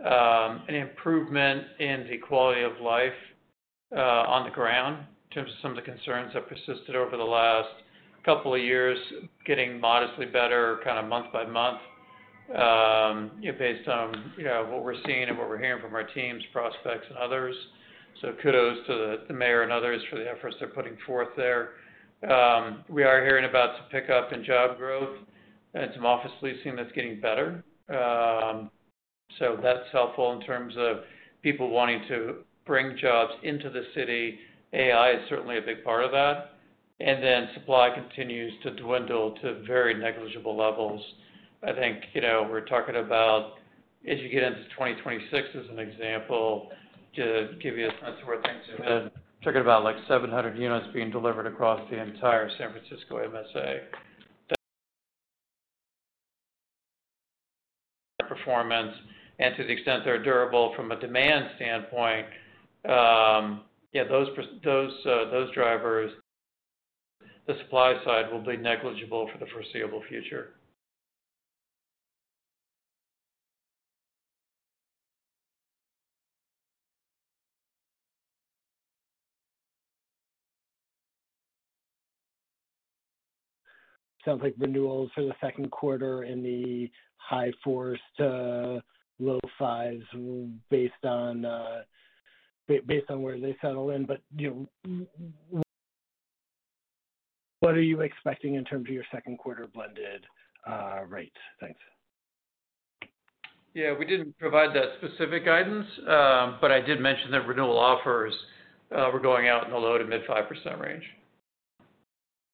an improvement in the quality of life on the ground in terms of some of the concerns that persisted over the last couple of years, getting modestly better kind of month by month based on what we're seeing and what we're hearing from our teams, prospects, and others. Kudos to the mayor and others for the efforts they're putting forth there. We are hearing about some pickup in job growth and some office leasing that's getting better. That is helpful in terms of people wanting to bring jobs into the city. AI is certainly a big part of that. Supply continues to dwindle to very negligible levels. I think we're talking about, as you get into 2026, as an example, to give you a sense of where things have been, talking about like 700 units being delivered across the entire San Francisco MSA. Performance, and to the extent they're durable from a demand standpoint, yeah, those drivers, the supply side will be negligible for the foreseeable future. Sounds like renewals for the second quarter in the high four to low fives based on where they settle in. What are you expecting in terms of your second quarter blended rates? Thanks. Yeah. We did not provide that specific guidance, but I did mention that renewal offers were going out in the low to mid 5% range.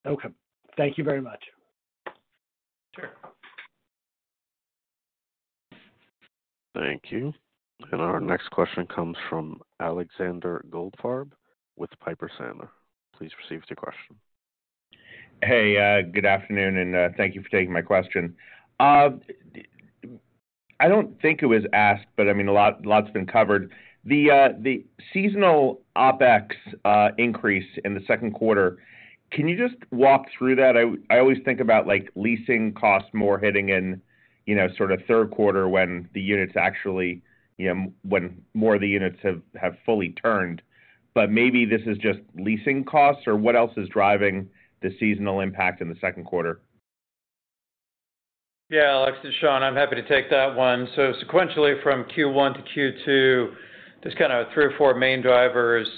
Okay. Thank you very much. Sure. Thank you. Our next question comes from Alexander Goldfarb with Piper Sandler. Please proceed with your question. Hey, good afternoon, and thank you for taking my question. I do not think it was asked, but I mean, a lot's been covered. The seasonal OPEX increase in the second quarter, can you just walk through that? I always think about leasing costs more hitting in sort of third quarter when the units actually when more of the units have fully turned. Maybe this is just leasing costs, or what else is driving the seasonal impact in the second quarter? Yeah, Alex and Sean, I'm happy to take that one. Sequentially from Q1 to Q2, just kind of three or four main drivers.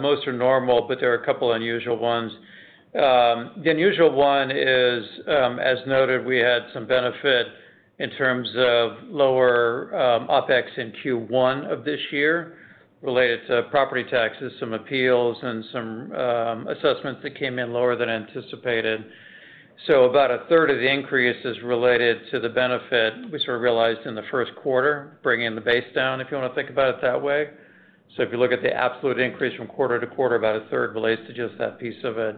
Most are normal, but there are a couple of unusual ones. The unusual one is, as noted, we had some benefit in terms of lower OPEX in Q1 of this year related to property taxes, some appeals, and some assessments that came in lower than anticipated. About a third of the increase is related to the benefit we sort of realized in the first quarter, bringing the base down, if you want to think about it that way. If you look at the absolute increase from quarter to quarter, about a third relates to just that piece of it.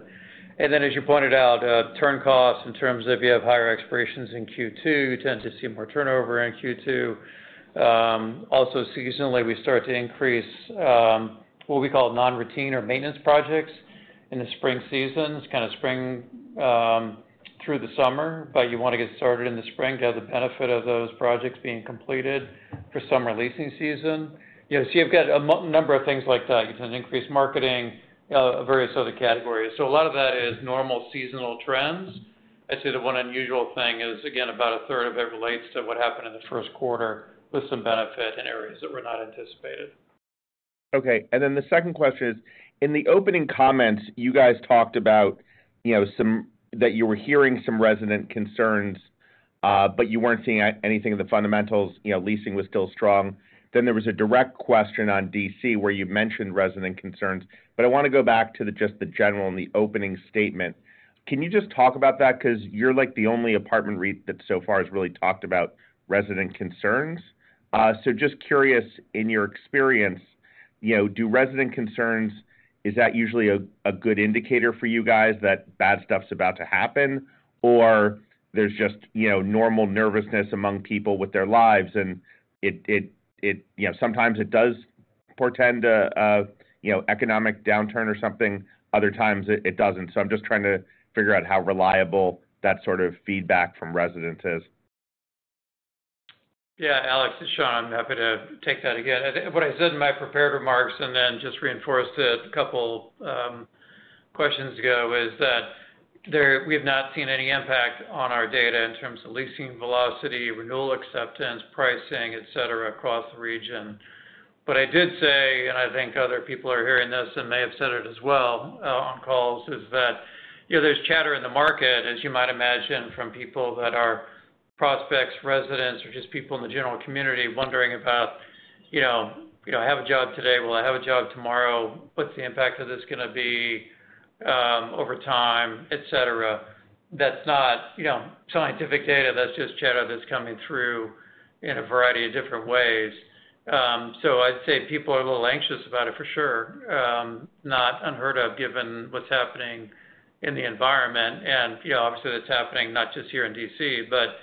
Then, as you pointed out, turn costs in terms of you have higher expirations in Q2, tend to see more turnover in Q2. Also, seasonally, we start to increase what we call non-routine or maintenance projects in the spring season, kind of spring through the summer. You want to get started in the spring to have the benefit of those projects being completed for summer leasing season. You have a number of things like that. You have increased marketing, various other categories. A lot of that is normal seasonal trends. I'd say the one unusual thing is, again, about a third of it relates to what happened in the first quarter with some benefit in areas that were not anticipated. Okay. And then the second question is, in the opening comments, you guys talked about that you were hearing some resident concerns, but you were not seeing anything in the fundamentals. Leasing was still strong. There was a direct question on DC where you mentioned resident concerns. I want to go back to just the general and the opening statement. Can you just talk about that? Because you are the only apartment REIT that so far has really talked about resident concerns. Just curious, in your experience, do resident concerns, is that usually a good indicator for you guys that bad stuff is about to happen, or there is just normal nervousness among people with their lives? Sometimes it does portend an economic downturn or something. Other times, it does not. I am just trying to figure out how reliable that sort of feedback from residents is. Yeah, Alex and Sean, I'm happy to take that again. What I said in my prepared remarks and then just reinforced it a couple of questions ago is that we have not seen any impact on our data in terms of leasing velocity, renewal acceptance, pricing, etc., across the region. I did say, and I think other people are hearing this and may have said it as well on calls, that there's chatter in the market, as you might imagine, from people that are prospects, residents, or just people in the general community wondering about, "I have a job today. Will I have a job tomorrow? What's the impact of this going to be over time, etc.?" That's not scientific data. That's just chatter that's coming through in a variety of different ways. I'd say people are a little anxious about it for sure, not unheard of given what's happening in the environment. Obviously, that's happening not just here in DC, but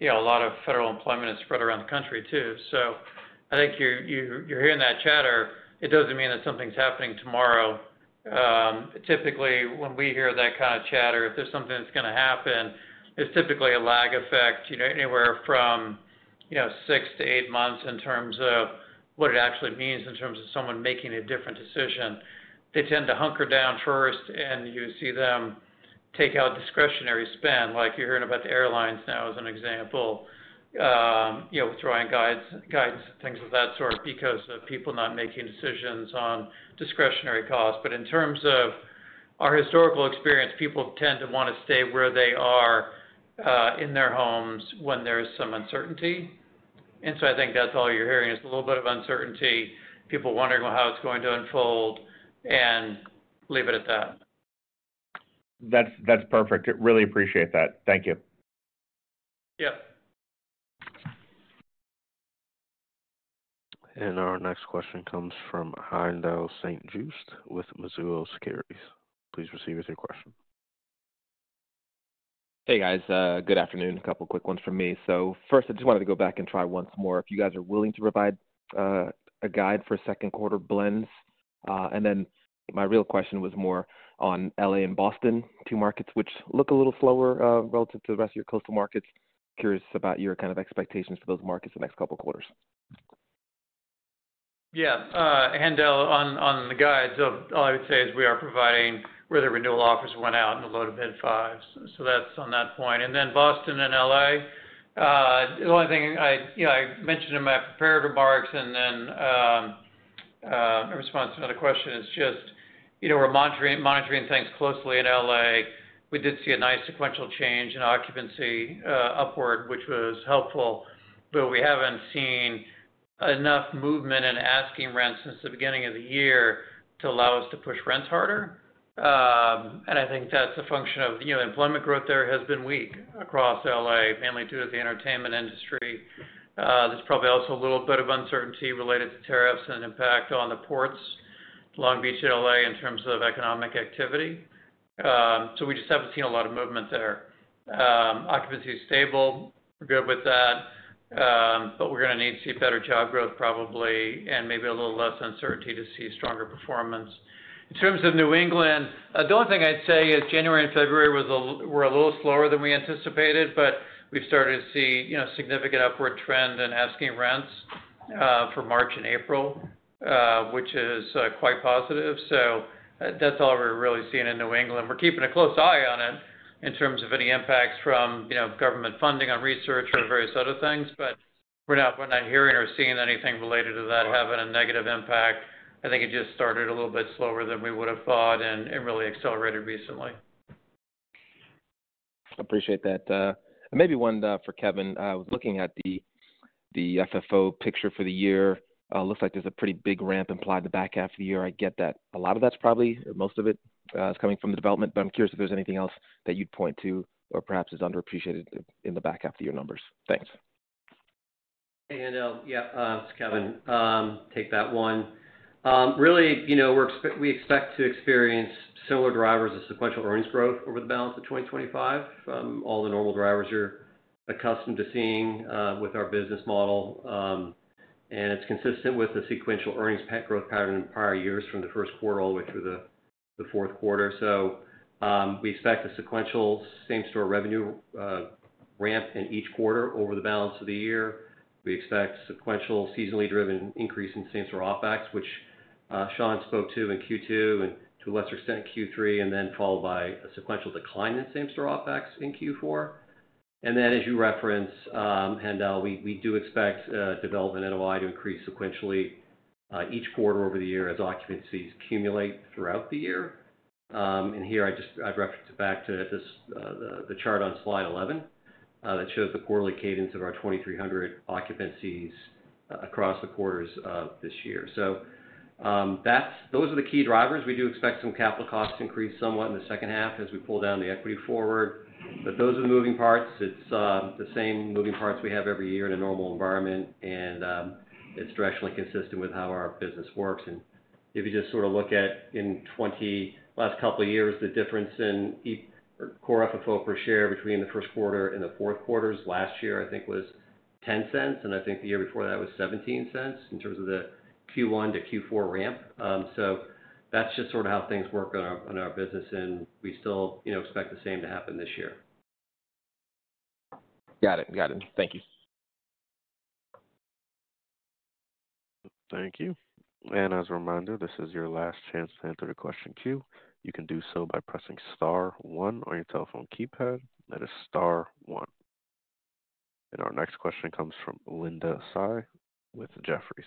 a lot of federal employment is spread around the country too. I think you're hearing that chatter. It doesn't mean that something's happening tomorrow. Typically, when we hear that kind of chatter, if there's something that's going to happen, it's typically a lag effect anywhere from six to eight months in terms of what it actually means in terms of someone making a different decision. They tend to hunker down first, and you see them take out discretionary spend, like you're hearing about the airlines now as an example, withdrawing guidance, things of that sort because of people not making decisions on discretionary costs. In terms of our historical experience, people tend to want to stay where they are in their homes when there is some uncertainty. I think that's all you're hearing is a little bit of uncertainty, people wondering how it's going to unfold, and leave it at that. That's perfect. Really appreciate that. Thank you. Yep. Our next question comes from Heindl with Mizuho Securities. Please proceed with your question. Hey, guys. Good afternoon. A couple of quick ones from me. First, I just wanted to go back and try once more if you guys are willing to provide a guide for second quarter blends. My real question was more on LA and Boston, two markets which look a little slower relative to the rest of your coastal markets. Curious about your kind of expectations for those markets the next couple of quarters. Yeah. Heindl on the guide. All I would say is we are providing where the renewal offers went out in the low to mid 5%. That is on that point. Boston and LA. The only thing I mentioned in my prepared remarks and in response to another question is just we are monitoring things closely in LA. We did see a nice sequential change in occupancy upward, which was helpful, but we have not seen enough movement in asking rent since the beginning of the year to allow us to push rents harder. I think that is a function of employment growth there having been weak across LA, mainly due to the entertainment industry. There is probably also a little bit of uncertainty related to tariffs and impact on the ports, Long Beach and LA in terms of economic activity. We just haven't seen a lot of movement there. Occupancy is stable. We're good with that. We're going to need to see better job growth probably and maybe a little less uncertainty to see stronger performance. In terms of New England, the only thing I'd say is January and February were a little slower than we anticipated, but we've started to see a significant upward trend in asking rents for March and April, which is quite positive. That's all we're really seeing in New England. We're keeping a close eye on it in terms of any impacts from government funding on research or various other things. We're not hearing or seeing anything related to that having a negative impact. I think it just started a little bit slower than we would have thought and really accelerated recently. Appreciate that. Maybe one for Kevin. I was looking at the FFO picture for the year. Looks like there's a pretty big ramp in the back half of the year. I get that a lot of that's probably, or most of it, is coming from the development. I'm curious if there's anything else that you'd point to or perhaps is underappreciated in the back half of the year numbers. Thanks. Hey, Heindl. Yeah, it's Kevin. Take that one. Really, we expect to experience similar drivers of sequential earnings growth over the balance of 2025 from all the normal drivers you're accustomed to seeing with our business model. It is consistent with the sequential earnings growth pattern in prior years from the first quarter all the way through the fourth quarter. We expect a sequential same-store revenue ramp in each quarter over the balance of the year. We expect sequential seasonally driven increase in same-store OPEX, which Sean spoke to in Q2 and to a lesser extent in Q3, followed by a sequential decline in same-store OPEX in Q4. As you referenced, Heindl, we do expect development and OI to increase sequentially each quarter over the year as occupancies accumulate throughout the year. Here, I'd reference it back to the chart on slide 11 that shows the quarterly cadence of our 2,300 occupancies across the quarters of this year. Those are the key drivers. We do expect some capital costs to increase somewhat in the second half as we pull down the equity forward. Those are the moving parts. It's the same moving parts we have every year in a normal environment, and it's directionally consistent with how our business works. If you just sort of look at in the last couple of years, the difference in core FFO per share between the first quarter and the fourth quarters last year, I think, was $0.10, and I think the year before that was $0.17 in terms of the Q1 to Q4 ramp. That is just sort of how things work in our business, and we still expect the same to happen this year. Got it. Got it. Thank you. Thank you. As a reminder, this is your last chance to answer the question queue. You can do so by pressing star one on your telephone keypad. That is star one. Our next question comes from Linda Sy with Jefferies.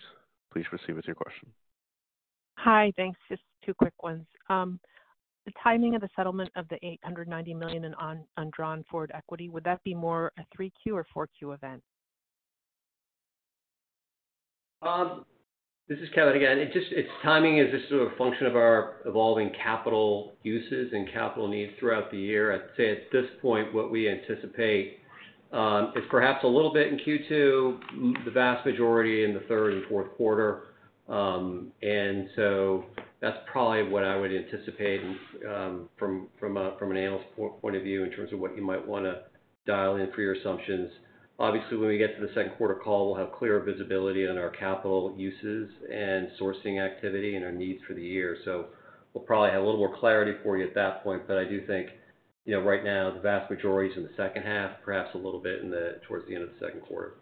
Please proceed with your question. Hi. Thanks. Just two quick ones. The timing of the settlement of the $890 million in undrawn forward equity, would that be more a 3Q or 4Q event? This is Kevin again. Its timing is just sort of a function of our evolving capital uses and capital needs throughout the year. I'd say at this point, what we anticipate is perhaps a little bit in Q2, the vast majority in the third and fourth quarter. That is probably what I would anticipate from an analyst point of view in terms of what you might want to dial in for your assumptions. Obviously, when we get to the second quarter call, we'll have clear visibility on our capital uses and sourcing activity and our needs for the year. We will probably have a little more clarity for you at that point. I do think right now, the vast majority is in the second half, perhaps a little bit towards the end of the second quarter.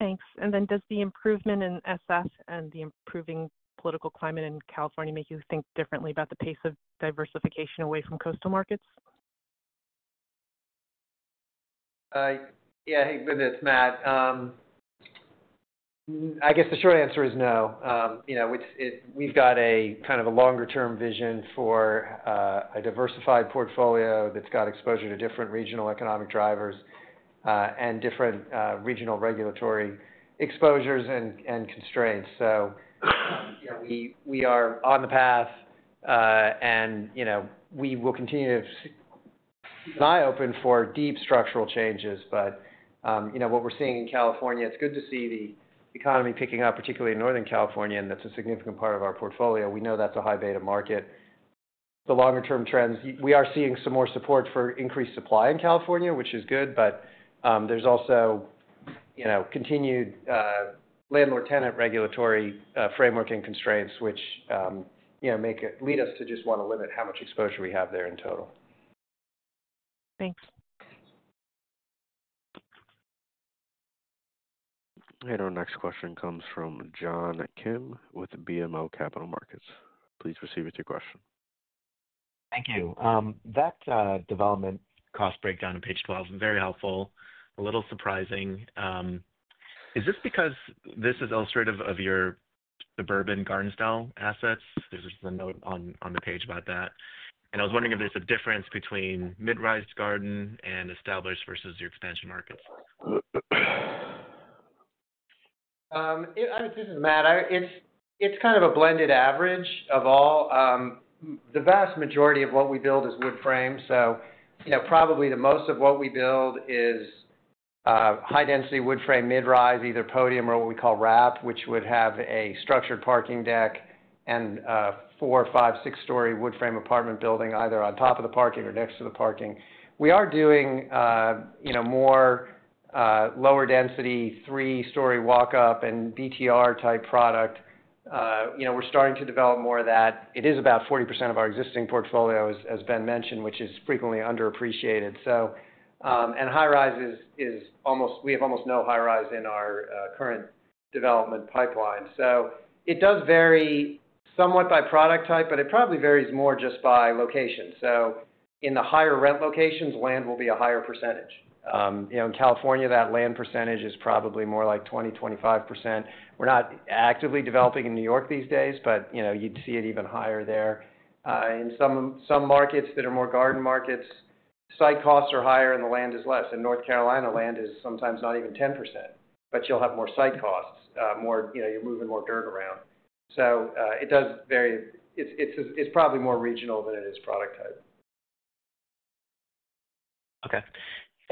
Thanks. Does the improvement in SF and the improving political climate in California make you think differently about the pace of diversification away from coastal markets? Yeah. Hey, it's Matt. I guess the short answer is no. We've got a kind of a longer-term vision for a diversified portfolio that's got exposure to different regional economic drivers and different regional regulatory exposures and constraints. We are on the path, and we will continue to keep an eye open for deep structural changes. What we're seeing in California, it's good to see the economy picking up, particularly in Northern California, and that's a significant part of our portfolio. We know that's a high-beta market. The longer-term trends, we are seeing some more support for increased supply in California, which is good, but there's also continued landlord-tenant regulatory framework and constraints which lead us to just want to limit how much exposure we have there in total. Thanks. Our next question comes from John Kim with BMO Capital Markets. Please proceed with your question. Thank you. That development cost breakdown on page 12 is very helpful. A little surprising. Is this because this is illustrative of your suburban Gardensdale assets? There is just a note on the page about that. I was wondering if there is a difference between mid-rise garden and established versus your expansion markets. This is Matt. It's kind of a blended average of all. The vast majority of what we build is wood frame. So probably the most of what we build is high-density wood frame mid-rise, either podium or what we call wrap, which would have a structured parking deck and four, five, six-story wood frame apartment building either on top of the parking or next to the parking. We are doing more lower-density three-story walk-up and BTR-type product. We're starting to develop more of that. It is about 40% of our existing portfolio, as Ben mentioned, which is frequently underappreciated. And high-rise is almost we have almost no high-rise in our current development pipeline. It does vary somewhat by product type, but it probably varies more just by location. In the higher rent locations, land will be a higher percentage. In California, that land percentage is probably more like 20-25%. We're not actively developing in New York these days, but you'd see it even higher there. In some markets that are more garden markets, site costs are higher and the land is less. In North Carolina, land is sometimes not even 10%, but you'll have more site costs. You're moving more dirt around. It does vary. It's probably more regional than it is product type.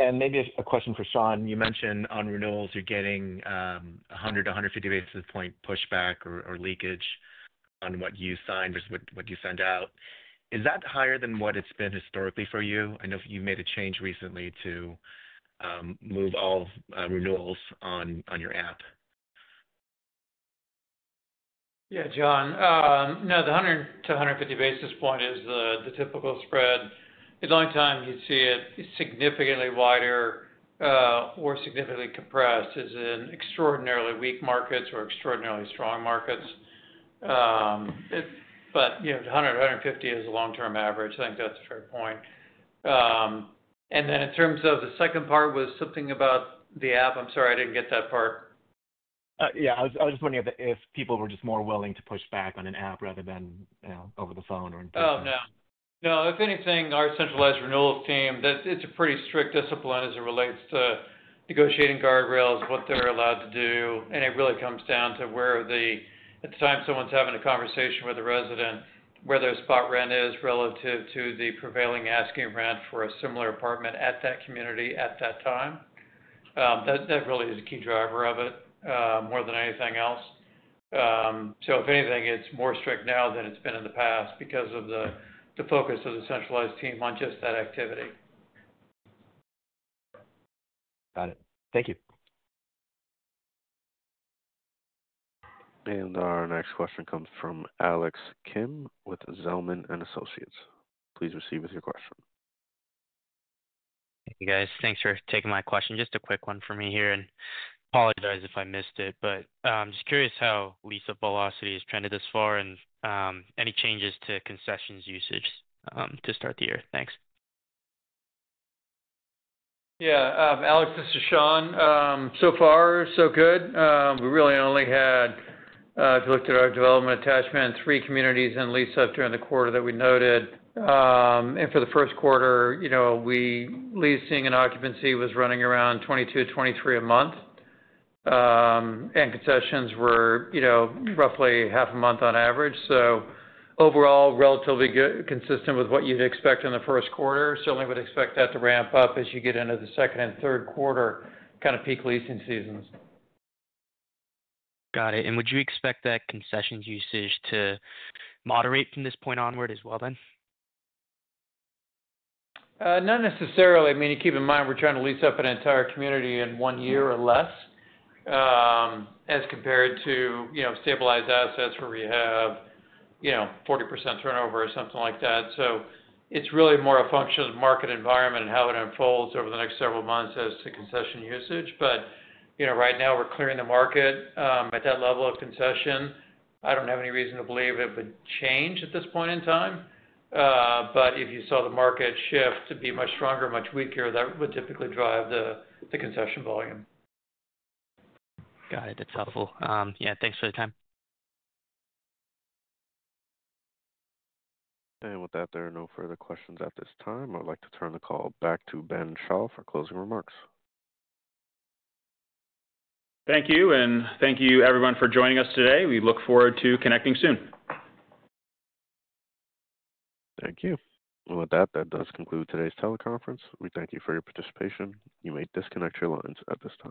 Okay. Maybe a question for Sean. You mentioned on renewals, you're getting 100-150 basis point pushback or leakage on what you sign versus what you send out. Is that higher than what it's been historically for you? I know you made a change recently to move all renewals on your app. Yeah, John. No, the 100 to 150 basis point is the typical spread. At the long time, you'd see it significantly wider or significantly compressed as in extraordinarily weak markets or extraordinarily strong markets. 100-150 is a long-term average. I think that's a fair point. In terms of the second part was something about the app. I'm sorry, I didn't get that part. Yeah. I was just wondering if people were just more willing to push back on an app rather than over the phone or in person. Oh, no. No. If anything, our centralized renewals team, it's a pretty strict discipline as it relates to negotiating guardrails, what they're allowed to do. It really comes down to where at the time someone's having a conversation with a resident, where their spot rent is relative to the prevailing asking rent for a similar apartment at that community at that time. That really is a key driver of it more than anything else. If anything, it's more strict now than it's been in the past because of the focus of the centralized team on just that activity. Got it. Thank you. Our next question comes from John Kim with Zelman & Associates. Please proceed with your question. Hey, guys. Thanks for taking my question. Just a quick one for me here. I apologize if I missed it, but I'm just curious how lease velocity has trended this far and any changes to concessions usage to start the year. Thanks. Yeah. Alex, this is Sean. So far, so good. We really only had, if you looked at our development attachment, three communities in lease-up during the quarter that we noted. For the first quarter, we were leasing and occupancy was running around 22-23 a month. Concessions were roughly half a month on average. Overall, relatively consistent with what you'd expect in the first quarter. Certainly, we'd expect that to ramp up as you get into the second and third quarter kind of peak leasing seasons. Got it. Would you expect that concessions usage to moderate from this point onward as well then? Not necessarily. I mean, you keep in mind we're trying to lease up an entire community in one year or less as compared to stabilized assets where we have 40% turnover or something like that. It is really more a function of the market environment and how it unfolds over the next several months as to concession usage. Right now, we're clearing the market at that level of concession. I do not have any reason to believe it would change at this point in time. If you saw the market shift to be much stronger, much weaker, that would typically drive the concession volume. Got it. That's helpful. Yeah. Thanks for the time. With that, there are no further questions at this time. I'd like to turn the call back to Ben Schall for closing remarks. Thank you. Thank you, everyone, for joining us today. We look forward to connecting soon. Thank you. With that, that does conclude today's teleconference. We thank you for your participation. You may disconnect your lines at this time.